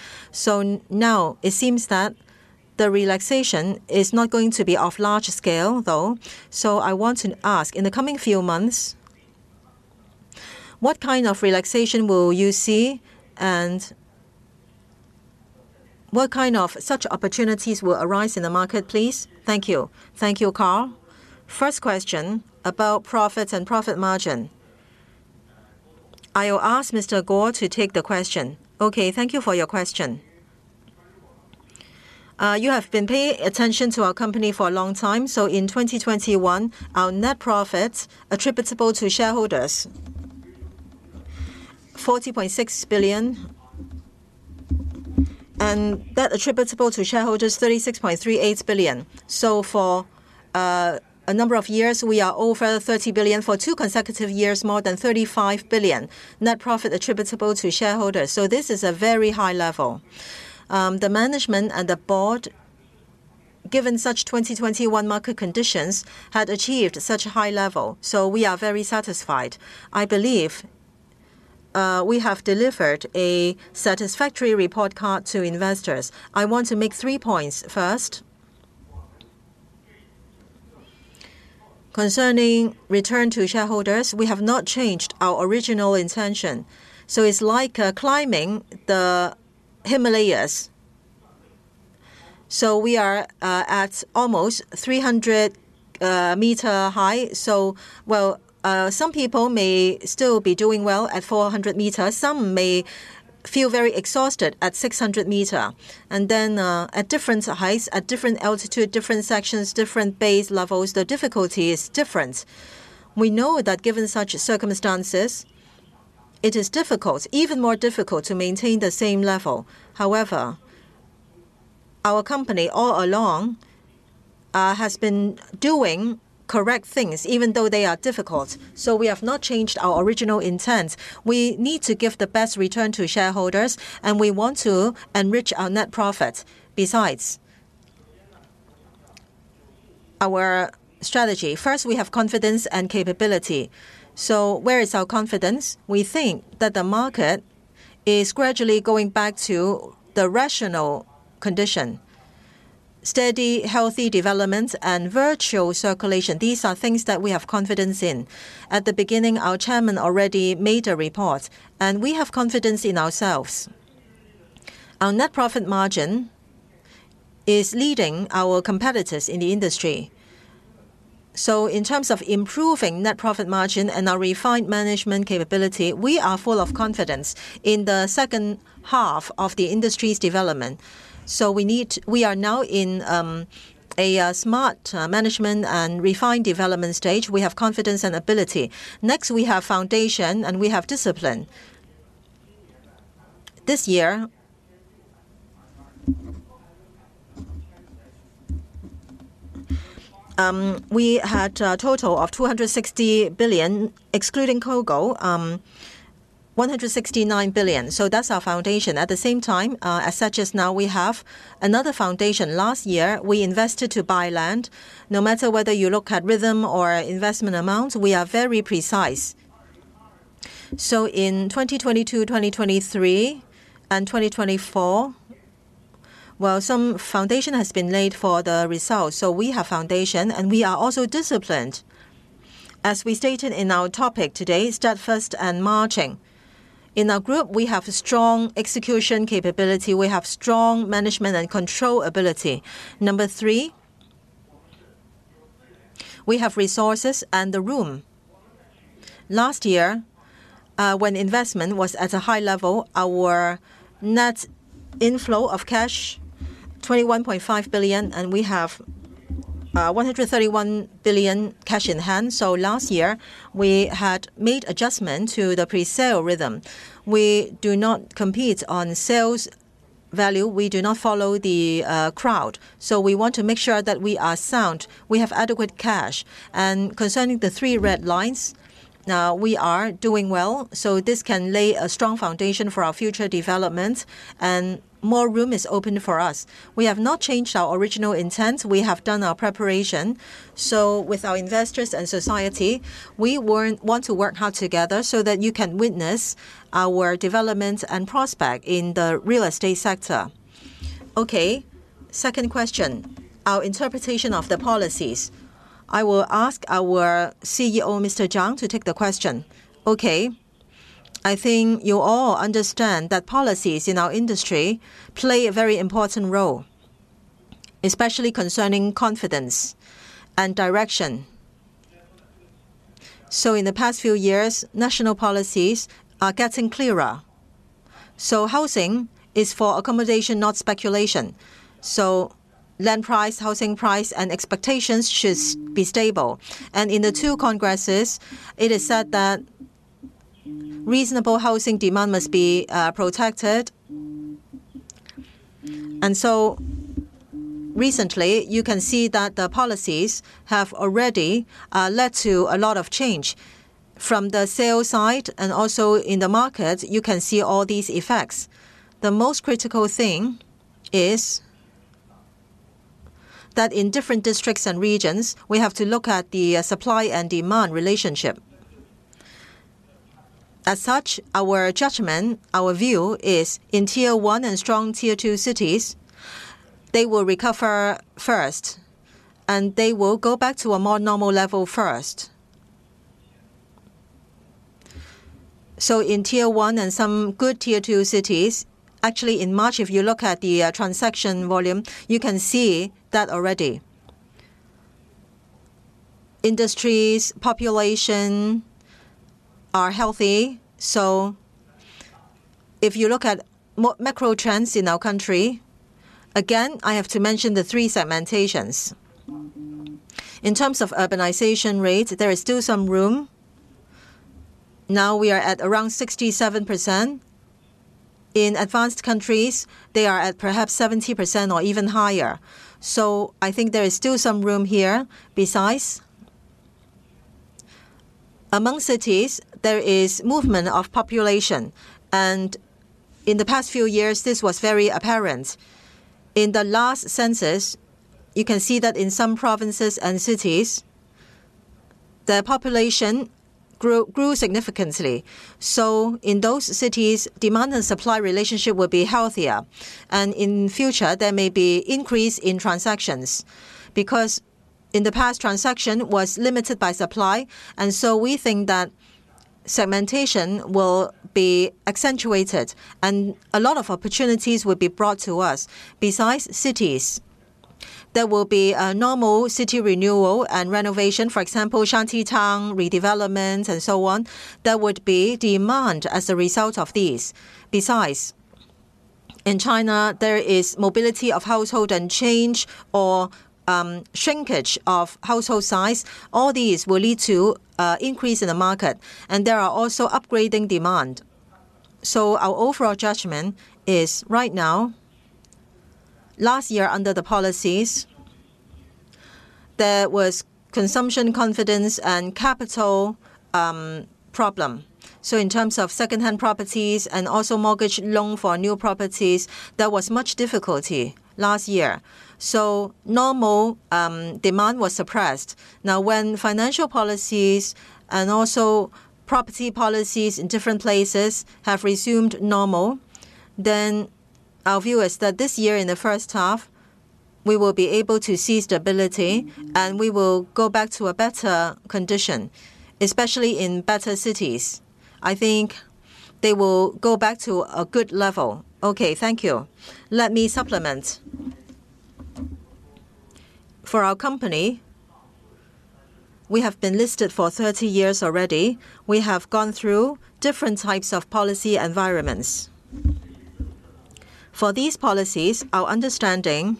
[SPEAKER 7] Now it seems that the relaxation is not going to be of large scale, though. I want to ask, in the coming few months, what kind of relaxation will you see and what kind of such opportunities will arise in the market, please? Thank you.
[SPEAKER 1] Thank you, Carl. First question about profits and profit margin. I will ask Mr. Guo to take the question.
[SPEAKER 3] Okay, thank you for your question. You have been paying attention to our company for a long time. In 2021, our net profits attributable to shareholders, 40.6 billion, and that attributable to shareholders, 36.38 billion. For a number of years, we are over 30 billion. For two consecutive years, more than 35 billion net profit attributable to shareholders. This is a very high level. The management and the board, given such 2021 market conditions, had achieved such high level. We are very satisfied. I believe, we have delivered a satisfactory report card to investors. I want to make three points. First, concerning return to shareholders, we have not changed our original intention, so it's like climbing the Himalayas. We are at almost 300-meter high. Well, some people may still be doing well at 400 meter. Some may feel very exhausted at 600 meter. Then, at different heights, at different altitude, different sections, different base levels, the difficulty is different. We know that given such circumstances, it is difficult, even more difficult to maintain the same level. However, our company all along has been doing correct things even though they are difficult. We have not changed our original intent. We need to give the best return to shareholders, and we want to enrich our net profit. Besides, our strategy. First, we have confidence and capability. Where is our confidence? We think that the market is gradually going back to the rational condition. Steady, healthy development and virtual circulation, these are things that we have confidence in. At the beginning, our chairman already made a report, and we have confidence in ourselves. Our net profit margin is leading our competitors in the industry. In terms of improving net profit margin and our refined management capability, we are full of confidence in the second half of the industry's development. We are now in a smart management and refined development stage. We have confidence and ability. We have foundation and we have discipline. This year, we had a total of 260 billion, excluding COGO, 169 billion. That's our foundation. At the same time, as of now, we have another foundation. Last year, we invested to buy land. No matter whether you look at rhythm or investment amounts, we are very precise. In 2022, 2023 and 2024, some foundation has been laid for the results. We have foundation, and we are also disciplined. As we stated in our topic today, steadfast and marching. In our group, we have strong execution capability. We have strong management and control ability. Number three, we have resources and the room. Last year, when investment was at a high level, our net inflow of cash, 21.5 billion, and we have 131 billion cash in hand. Last year, we had made adjustment to the presale rhythm. We do not compete on sales value. We do not follow the crowd. We want to make sure that we are sound, we have adequate cash. Concerning the three red lines, now we are doing well, so this can lay a strong foundation for our future development and more room is open for us. We have not changed our original intent. We have done our preparation. With our investors and society, we want to work hard together so that you can witness our development and prospect in the real estate sector. Okay. Second question, our interpretation of the policies. I will ask our CEO, Mr. Zhang, to take the question.
[SPEAKER 5] Okay. I think you all understand that policies in our industry play a very important role, especially concerning confidence and direction. In the past few years, national policies are getting clearer. Housing is for accommodation, not speculation. Land price, housing price, and expectations should be stable. In the two congresses, it is said that reasonable housing demand must be protected. Recently, you can see that the policies have already led to a lot of change. From the sales side and also in the market, you can see all these effects. The most critical thing is that in different districts and regions, we have to look at the supply and demand relationship. As such, our judgment, our view is in Tier one and strong Tier two cities, they will recover first and they will go back to a more normal level first. In Tier one and some good Tier two cities, actually in March, if you look at the transaction volume, you can see that already. Industries, population are healthy. If you look at macro trends in our country, again, I have to mention the three segmentations. In terms of urbanization rates, there is still some room. Now we are at around 67%. In advanced countries, they are at perhaps 70% or even higher. I think there is still some room here. Besides, among cities, there is movement of population, and in the past few years, this was very apparent. In the last census, you can see that in some provinces and cities, the population grew significantly. In those cities, demand and supply relationship will be healthier. In future, there may be increase in transactions because in the past, transaction was limited by supply. We think that segmentation will be accentuated and a lot of opportunities will be brought to us. Besides cities, there will be a normal city renewal and renovation. For example, shantytown redevelopments and so on. There would be demand as a result of these. Besides, in China, there is mobility of household and change or shrinkage of household size. All these will lead to an increase in the market, and there are also upgrading demand. Our overall judgment is right now, last year under the policies, there was consumption confidence and capital problem. In terms of secondhand properties and also mortgage loan for new properties, there was much difficulty last year. Normal demand was suppressed. Now when financial policies and also property policies in different places have resumed normal, then our view is that this year in the first half, we will be able to see stability and we will go back to a better condition, especially in better cities. I think they will go back to a good level.
[SPEAKER 7] Okay. Thank you.
[SPEAKER 3] Let me supplement. For our company, we have been listed for 30 years already. We have gone through different types of policy environments. For these policies, our understanding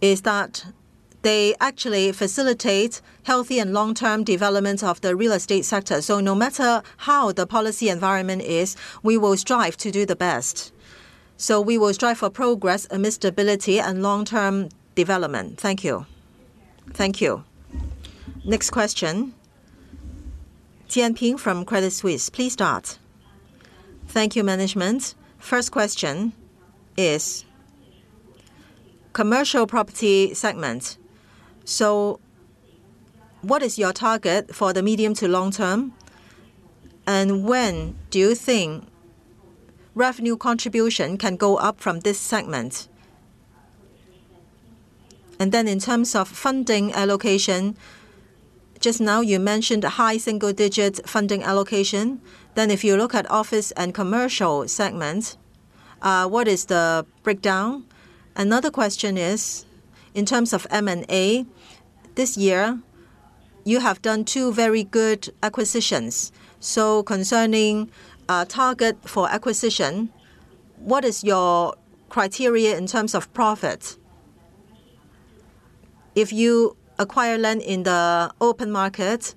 [SPEAKER 3] is that they actually facilitate healthy and long-term development of the real estate sector. No matter how the policy environment is, we will strive to do the best. We will strive for progress amid stability and long-term development. Thank you.
[SPEAKER 1] Thank you. Next question. Tian Ping from Credit Suisse. Please start.
[SPEAKER 8] Thank you management. First question is commercial property segment. What is your target for the medium to long term? When do you think revenue contribution can go up from this segment? In terms of funding allocation, just now you mentioned high single digit funding allocation. If you look at office and commercial segment, what is the breakdown? Another question is, in terms of M&A, this year you have done two very good acquisitions. Concerning target for acquisition, what is your criteria in terms of profit? If you acquire land in the open market,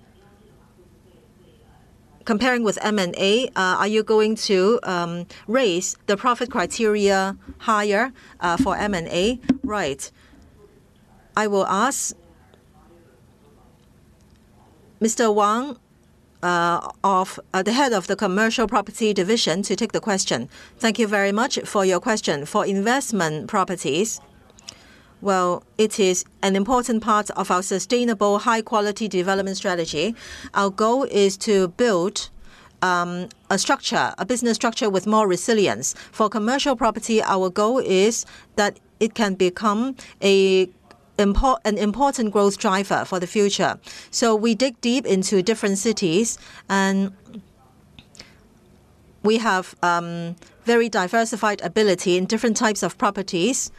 [SPEAKER 8] comparing with M&A, are you going to raise the profit criteria higher for M&A?
[SPEAKER 1] Right. I will ask Mr. Wang, Head of the Commercial Property Division, to take the question.
[SPEAKER 9] Thank you very much for your question. For investment properties, well, it is an important part of our sustainable high quality development strategy. Our goal is to build a structure, a business structure with more resilience. For commercial property, our goal is that it can become an important growth driver for the future. We dig deep into different cities, and we have very diversified ability in different types of properties.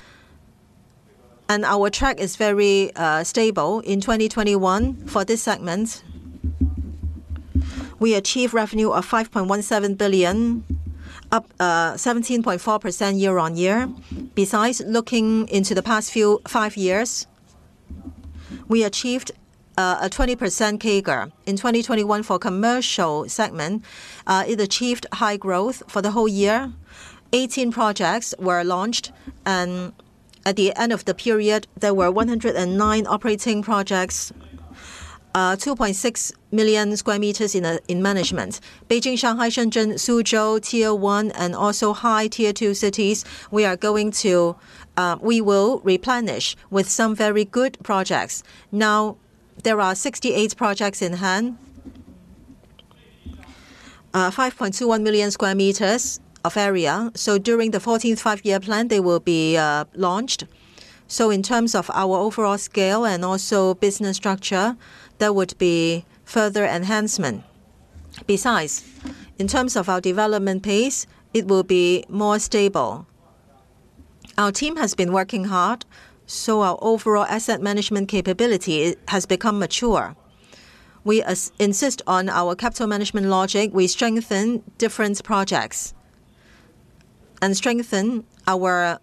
[SPEAKER 9] Our track is very stable. In 2021, for this segment, we achieved revenue of 5.17 billion, up 17.4% year-on-year. Besides looking into the past five years, we achieved a 20% CAGR. In 2021 for commercial segment, it achieved high growth for the whole year. 18 projects were launched, and at the end of the period, there were 109 operating projects, 2.6 million sq m in management. Beijing, Shanghai, Shenzhen, Suzhou, Tier one, and also high Tier two cities, we will replenish with some very good projects. Now, there are 68 projects in hand, 5.21 million square meters of area. During the 14th Five-Year Plan, they will be launched. In terms of our overall scale and also business structure, there would be further enhancement. Besides, in terms of our development pace, it will be more stable. Our team has been working hard, so our overall asset management capability has become mature. We insist on our capital management logic. We strengthen different projects and strengthen our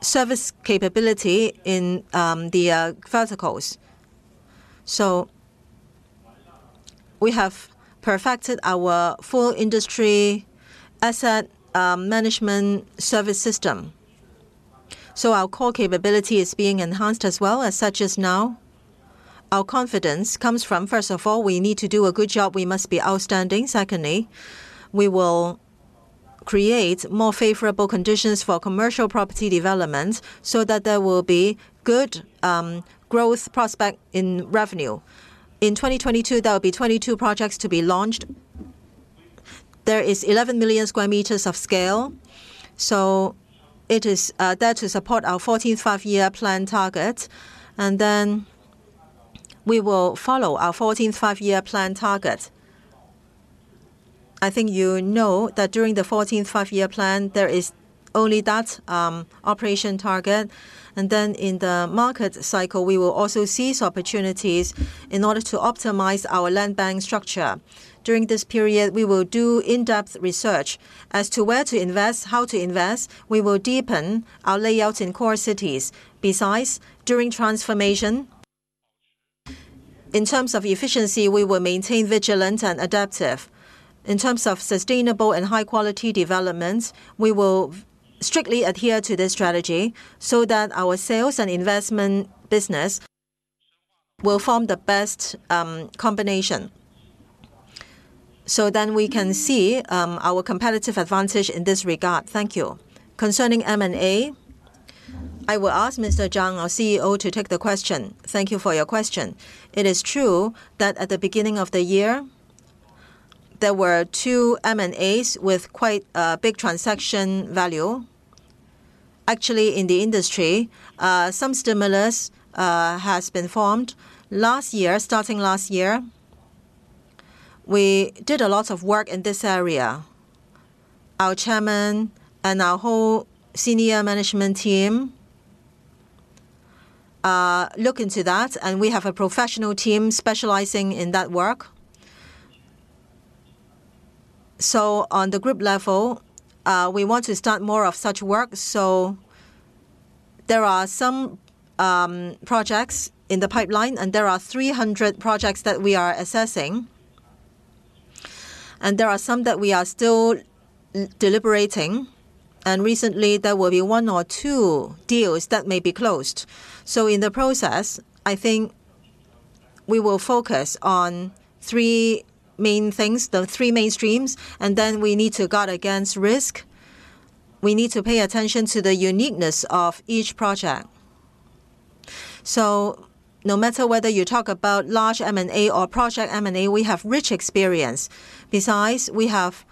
[SPEAKER 9] service capability in the verticals. We have perfected our full industry asset management service system. Our core capability is being enhanced as well as such as now. Our confidence comes from, first of all, we need to do a good job. We must be outstanding. Secondly, we will create more favorable conditions for commercial property development so that there will be good growth prospect in revenue. In 2022, there will be 22 projects to be launched. There is 11 million sq m of scale, so it is there to support our 14th Five-Year Plan target. We will follow our 14th Five-Year Plan target. I think you know that during the 14th Five-Year Plan, there is only that operation target. In the market cycle, we will also seize opportunities in order to optimize our land bank structure. During this period, we will do in-depth research as to where to invest, how to invest. We will deepen our layouts in core cities. Besides, during transformation, in terms of efficiency, we will maintain vigilant and adaptive. In terms of sustainable and high-quality developments, we will strictly adhere to this strategy so that our sales and investment business will form the best combination. We can see our competitive advantage in this regard.
[SPEAKER 1] Thank you. Concerning M&A, I will ask Mr. Zhang, our CEO, to take the question.
[SPEAKER 5] Thank you for your question. It is true that at the beginning of the year, there were two M&As with quite big transaction value. Actually, in the industry, some stimulus has been formed. Last year, starting last year, we did a lot of work in this area. Our Chairman and our whole senior management team look into that, and we have a professional team specializing in that work. On the group level, we want to start more of such work. There are some projects in the pipeline, and there are 300 projects that we are assessing. There are some that we are still deliberating. Recently, there will be one or two deals that may be closed. In the process, I think we will focus on three main things, the three main streams, and then we need to guard against risk. We need to pay attention to the uniqueness of each project. No matter whether you talk about large M&A or project M&A, we have rich experience. Besides, we have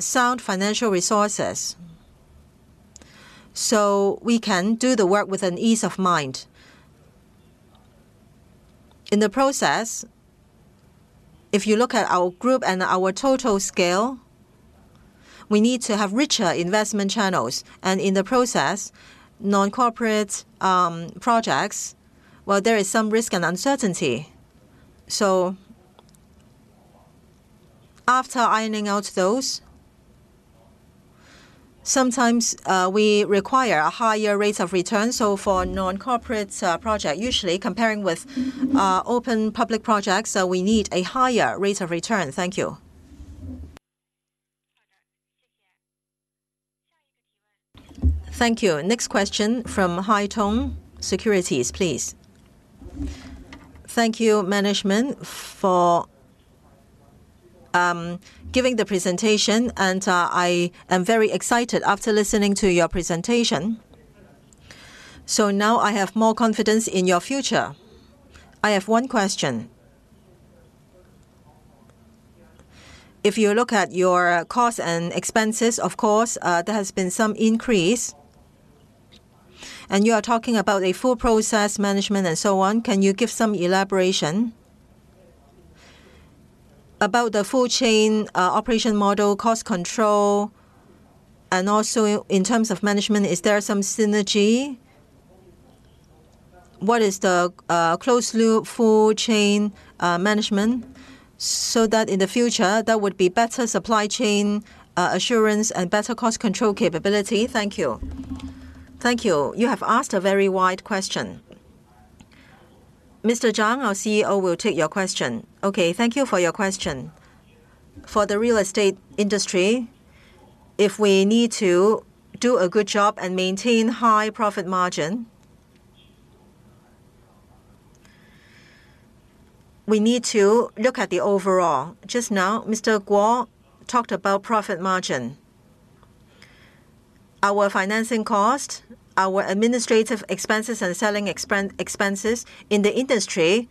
[SPEAKER 5] sound financial resources, so we can do the work with an ease of mind. In the process, if you look at our group and our total scale, we need to have richer investment channels. In the process, non-corporate projects, well, there is some risk and uncertainty. After ironing out those, sometimes, we require a higher rate of return. For non-corporate project, usually comparing with open public projects, we need a higher rate of return. Thank you.
[SPEAKER 1] Next question from Haitong Securities, please.
[SPEAKER 10] Thank you, management, for giving the presentation. I am very excited after listening to your presentation. Now I have more confidence in your future. I have one question. If you look at your cost and expenses, of course, there has been some increase, and you are talking about a full process management and so on. Can you give some elaboration about the full chain operation model, cost control, and also in terms of management, is there some synergy? What is the closed loop full chain management, so that in the future, there would be better supply chain assurance and better cost control capability? Thank you.
[SPEAKER 1] Thank you. You have asked a very wide question. Mr. Zhang, our CEO, will take your question.
[SPEAKER 5] Okay, thank you for your question. For the real estate industry, if we need to do a good job and maintain high profit margin, we need to look at the overall. Just now, Mr. Guo talked about profit margin. Our financing cost, our administrative expenses, and selling expenses in the industry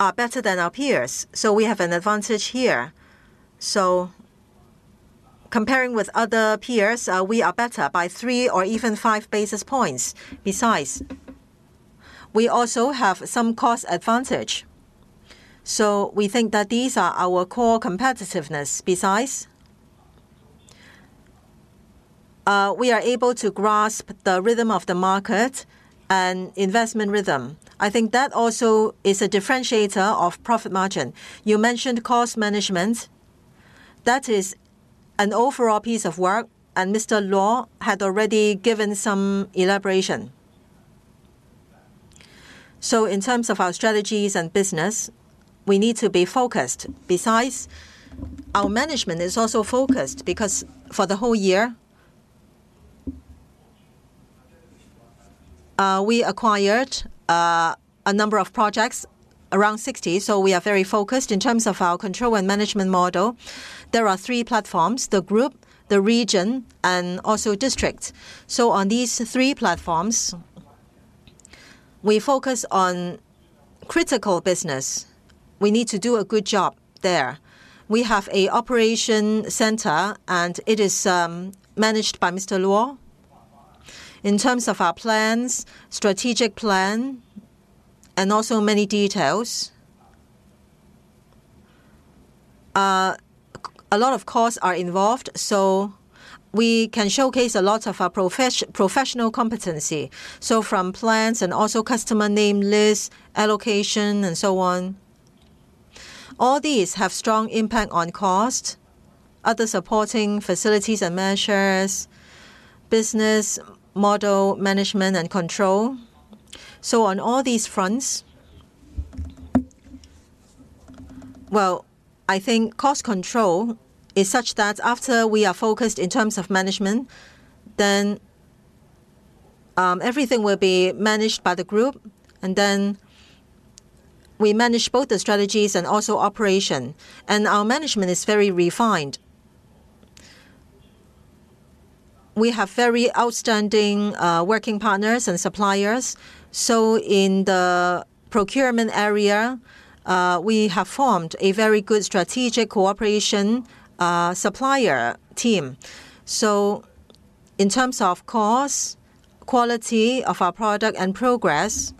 [SPEAKER 5] are better than our peers. We have an advantage here. Comparing with other peers, we are better by three or even five basis points. Besides, we also have some cost advantage. We think that these are our core competitiveness. Besides, we are able to grasp the rhythm of the market and investment rhythm. I think that also is a differentiator of profit margin. You mentioned cost management. That is an overall piece of work, and Mr. Luo had already given some elaboration. In terms of our strategies and business, we need to be focused. Besides, our management is also focused because for the whole year, we acquired a number of projects, around 60. We are very focused in terms of our control and management model. There are three platforms, the group, the region, and also district. On these three platforms we focus on critical business. We need to do a good job there. We have an operation center, and it is managed by Mr. Luo. In terms of our plans, strategic plan, and also many details, a lot of costs are involved, so we can showcase a lot of our professional competency from plans and also customer name, list, allocation, and so on. All these have strong impact on cost, other supporting facilities and measures, business model management and control. On all these fronts, I think cost control is such that after we are focused in terms of management then, everything will be managed by the group, and then we manage both the strategies and also operation. Our management is very refined. We have very outstanding working partners and suppliers. In the procurement area, we have formed a very good strategic cooperation supplier team. In terms of cost, quality of our product, and progress,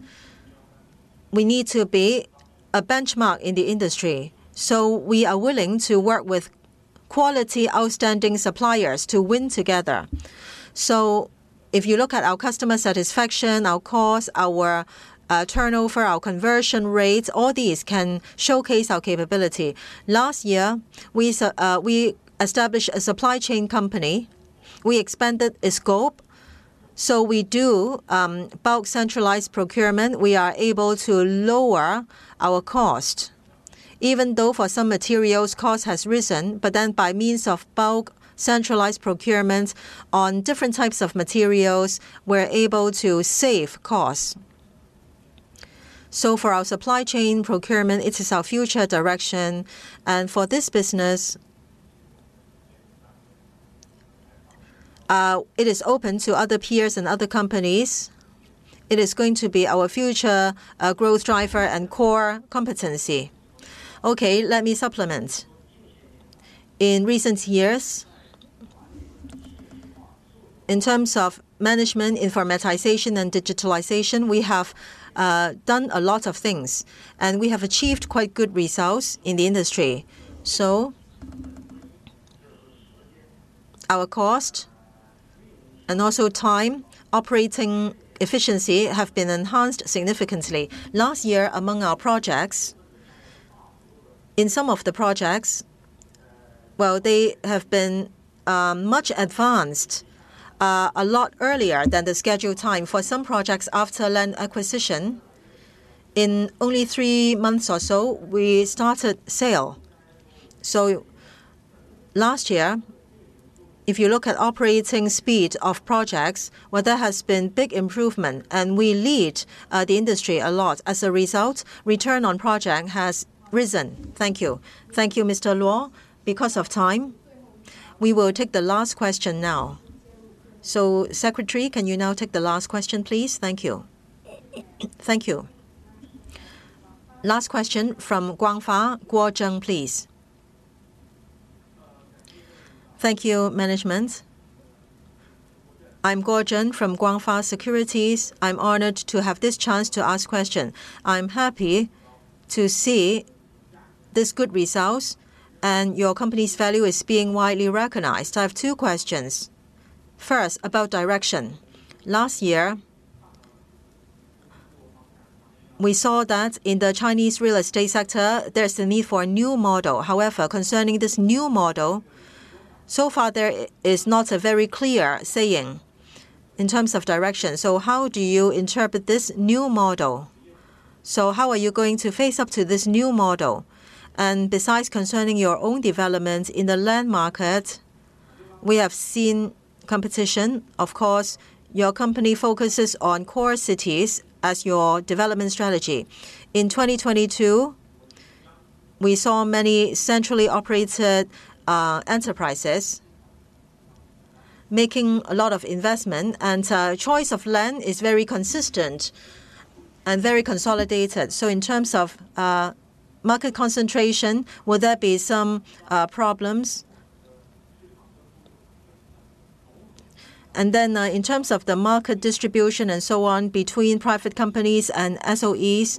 [SPEAKER 5] we need to be a benchmark in the industry. We are willing to work with quality, outstanding suppliers to win together. If you look at our customer satisfaction, our cost, our turnover, our conversion rates, all these can showcase our capability. Last year, we established a supply chain company. We expanded its scope, so we do bulk centralized procurement. We are able to lower our cost. Even though for some materials cost has risen, but then by means of bulk centralized procurement on different types of materials, we're able to save costs. For our supply chain procurement, it is our future direction. For this business, it is open to other peers and other companies. It is going to be our future growth driver and core competency.
[SPEAKER 11] Okay, let me supplement. In recent years, in terms of management, informatization, and digitalization, we have done a lot of things, and we have achieved quite good results in the industry. Our cost and also time, operating efficiency have been enhanced significantly. Last year, among our projects, in some of the projects, they have been much advanced a lot earlier than the scheduled time. For some projects, after land acquisition, in only three months or so, we started sale. Last year, if you look at operating speed of projects, there has been big improvement, and we lead the industry a lot. As a result, return on project has risen. Thank you.
[SPEAKER 1] Thank you, Mr. Luo. Because of time, we will take the last question now. Secretary, can you now take the last question, please? Thank you. Thank you. Last question from Guangfa, Guo Zheng, please.
[SPEAKER 12] Thank you, management. I'm Guo Zheng from Guangfa Securities. I'm honored to have this chance to ask question. I'm happy to see this good results and your company's value is being widely recognized. I have two questions. First, about direction. Last year, we saw that in the Chinese real estate sector, there's the need for a new model. However, concerning this new model, so far there is not a very clear saying in terms of direction. So how do you interpret this new model? So how are you going to face up to this new model? And besides concerning your own development in the land market, we have seen competition. Of course, your company focuses on core cities as your development strategy. In 2022, we saw many centrally operated enterprises making a lot of investment and choice of land is very consistent and very consolidated. In terms of market concentration, will there be some problems? In terms of the market distribution and so on between private companies and SOEs,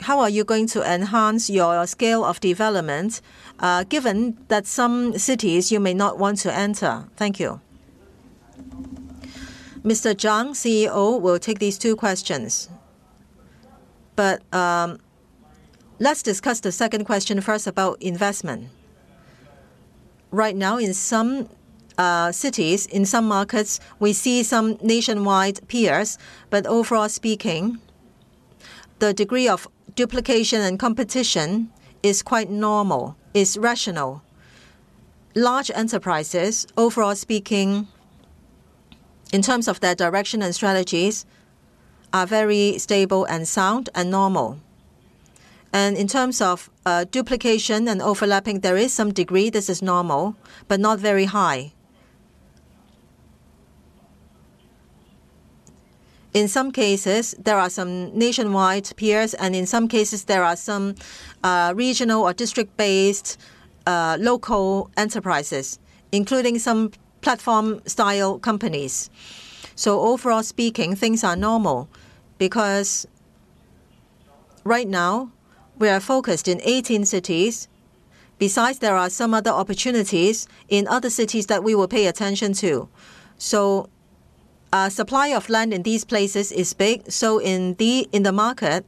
[SPEAKER 12] how are you going to enhance your scale of development, given that some cities you may not want to enter? Thank you.
[SPEAKER 1] Mr. Zhang, CEO, will take these two questions.
[SPEAKER 5] Let's discuss the second question first about investment. Right now in some cities, in some markets, we see some nationwide peers, but overall speaking, the degree of duplication and competition is quite normal. It's rational. Large enterprises, overall speaking, in terms of their direction and strategies, are very stable and sound and normal. In terms of duplication and overlapping, there is some degree, this is normal, but not very high. In some cases, there are some nationwide peers, and in some cases, there are some regional or district-based local enterprises, including some platform style companies. Overall speaking, things are normal because right now we are focused in 18 cities. Besides, there are some other opportunities in other cities that we will pay attention to. Supply of land in these places is big. In the market,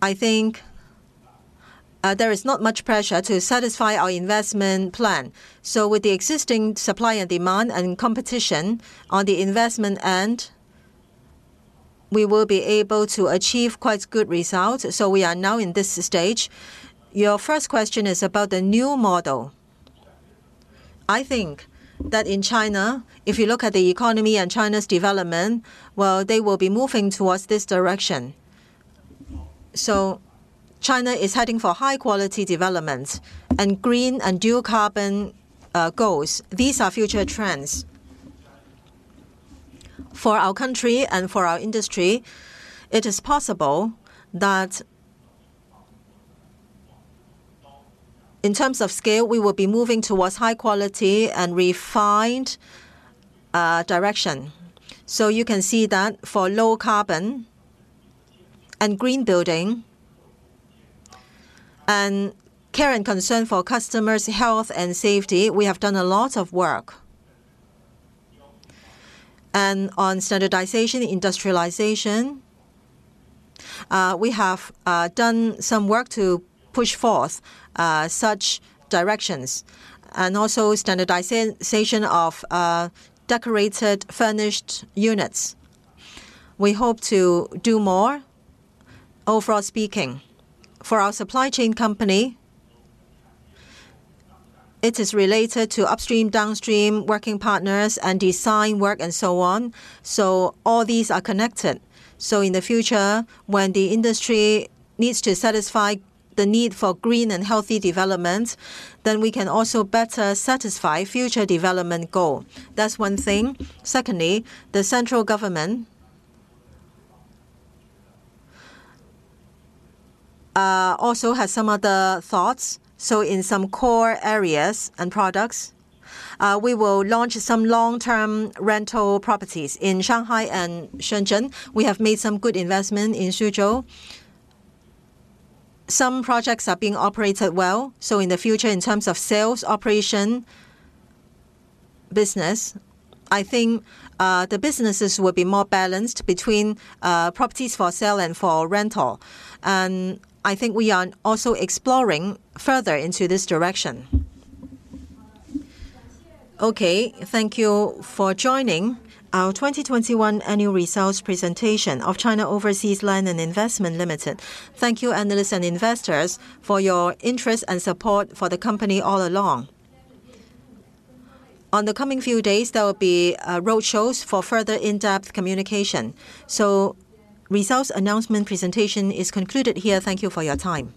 [SPEAKER 5] I think, there is not much pressure to satisfy our investment plan. With the existing supply and demand and competition on the investment end, we will be able to achieve quite good results. We are now in this stage. Your first question is about the new model. I think that in China, if you look at the economy and China's development, well, they will be moving towards this direction. China is heading for high quality development and green and dual carbon goals. These are future trends. For our country and for our industry, it is possible that in terms of scale, we will be moving towards high quality and refined direction. You can see that for low carbon and green building and care and concern for customers' health and safety, we have done a lot of work. On standardization, industrialization, we have done some work to push forth such directions and also standardization of decorated, furnished units. We hope to do more overall speaking. For our supply chain company, it is related to upstream, downstream working partners and design work and so on. All these are connected. In the future, when the industry needs to satisfy the need for green and healthy development, then we can also better satisfy future development goal. That's one thing. Secondly, the central government also has some other thoughts. In some core areas and products, we will launch some long-term rental properties in Shanghai and Shenzhen. We have made some good investment in Suzhou. Some projects are being operated well. In the future, in terms of sales operation business, I think, the businesses will be more balanced between, properties for sale and for rental. I think we are also exploring further into this direction.
[SPEAKER 1] Okay, thank you for joining our 2021 annual results presentation of China Overseas Land and Investment Limited. Thank you, analysts and investors for your interest and support for the company all along. On the coming few days, there will be road shows for further in-depth communication. Results announcement presentation is concluded here. Thank you for your time.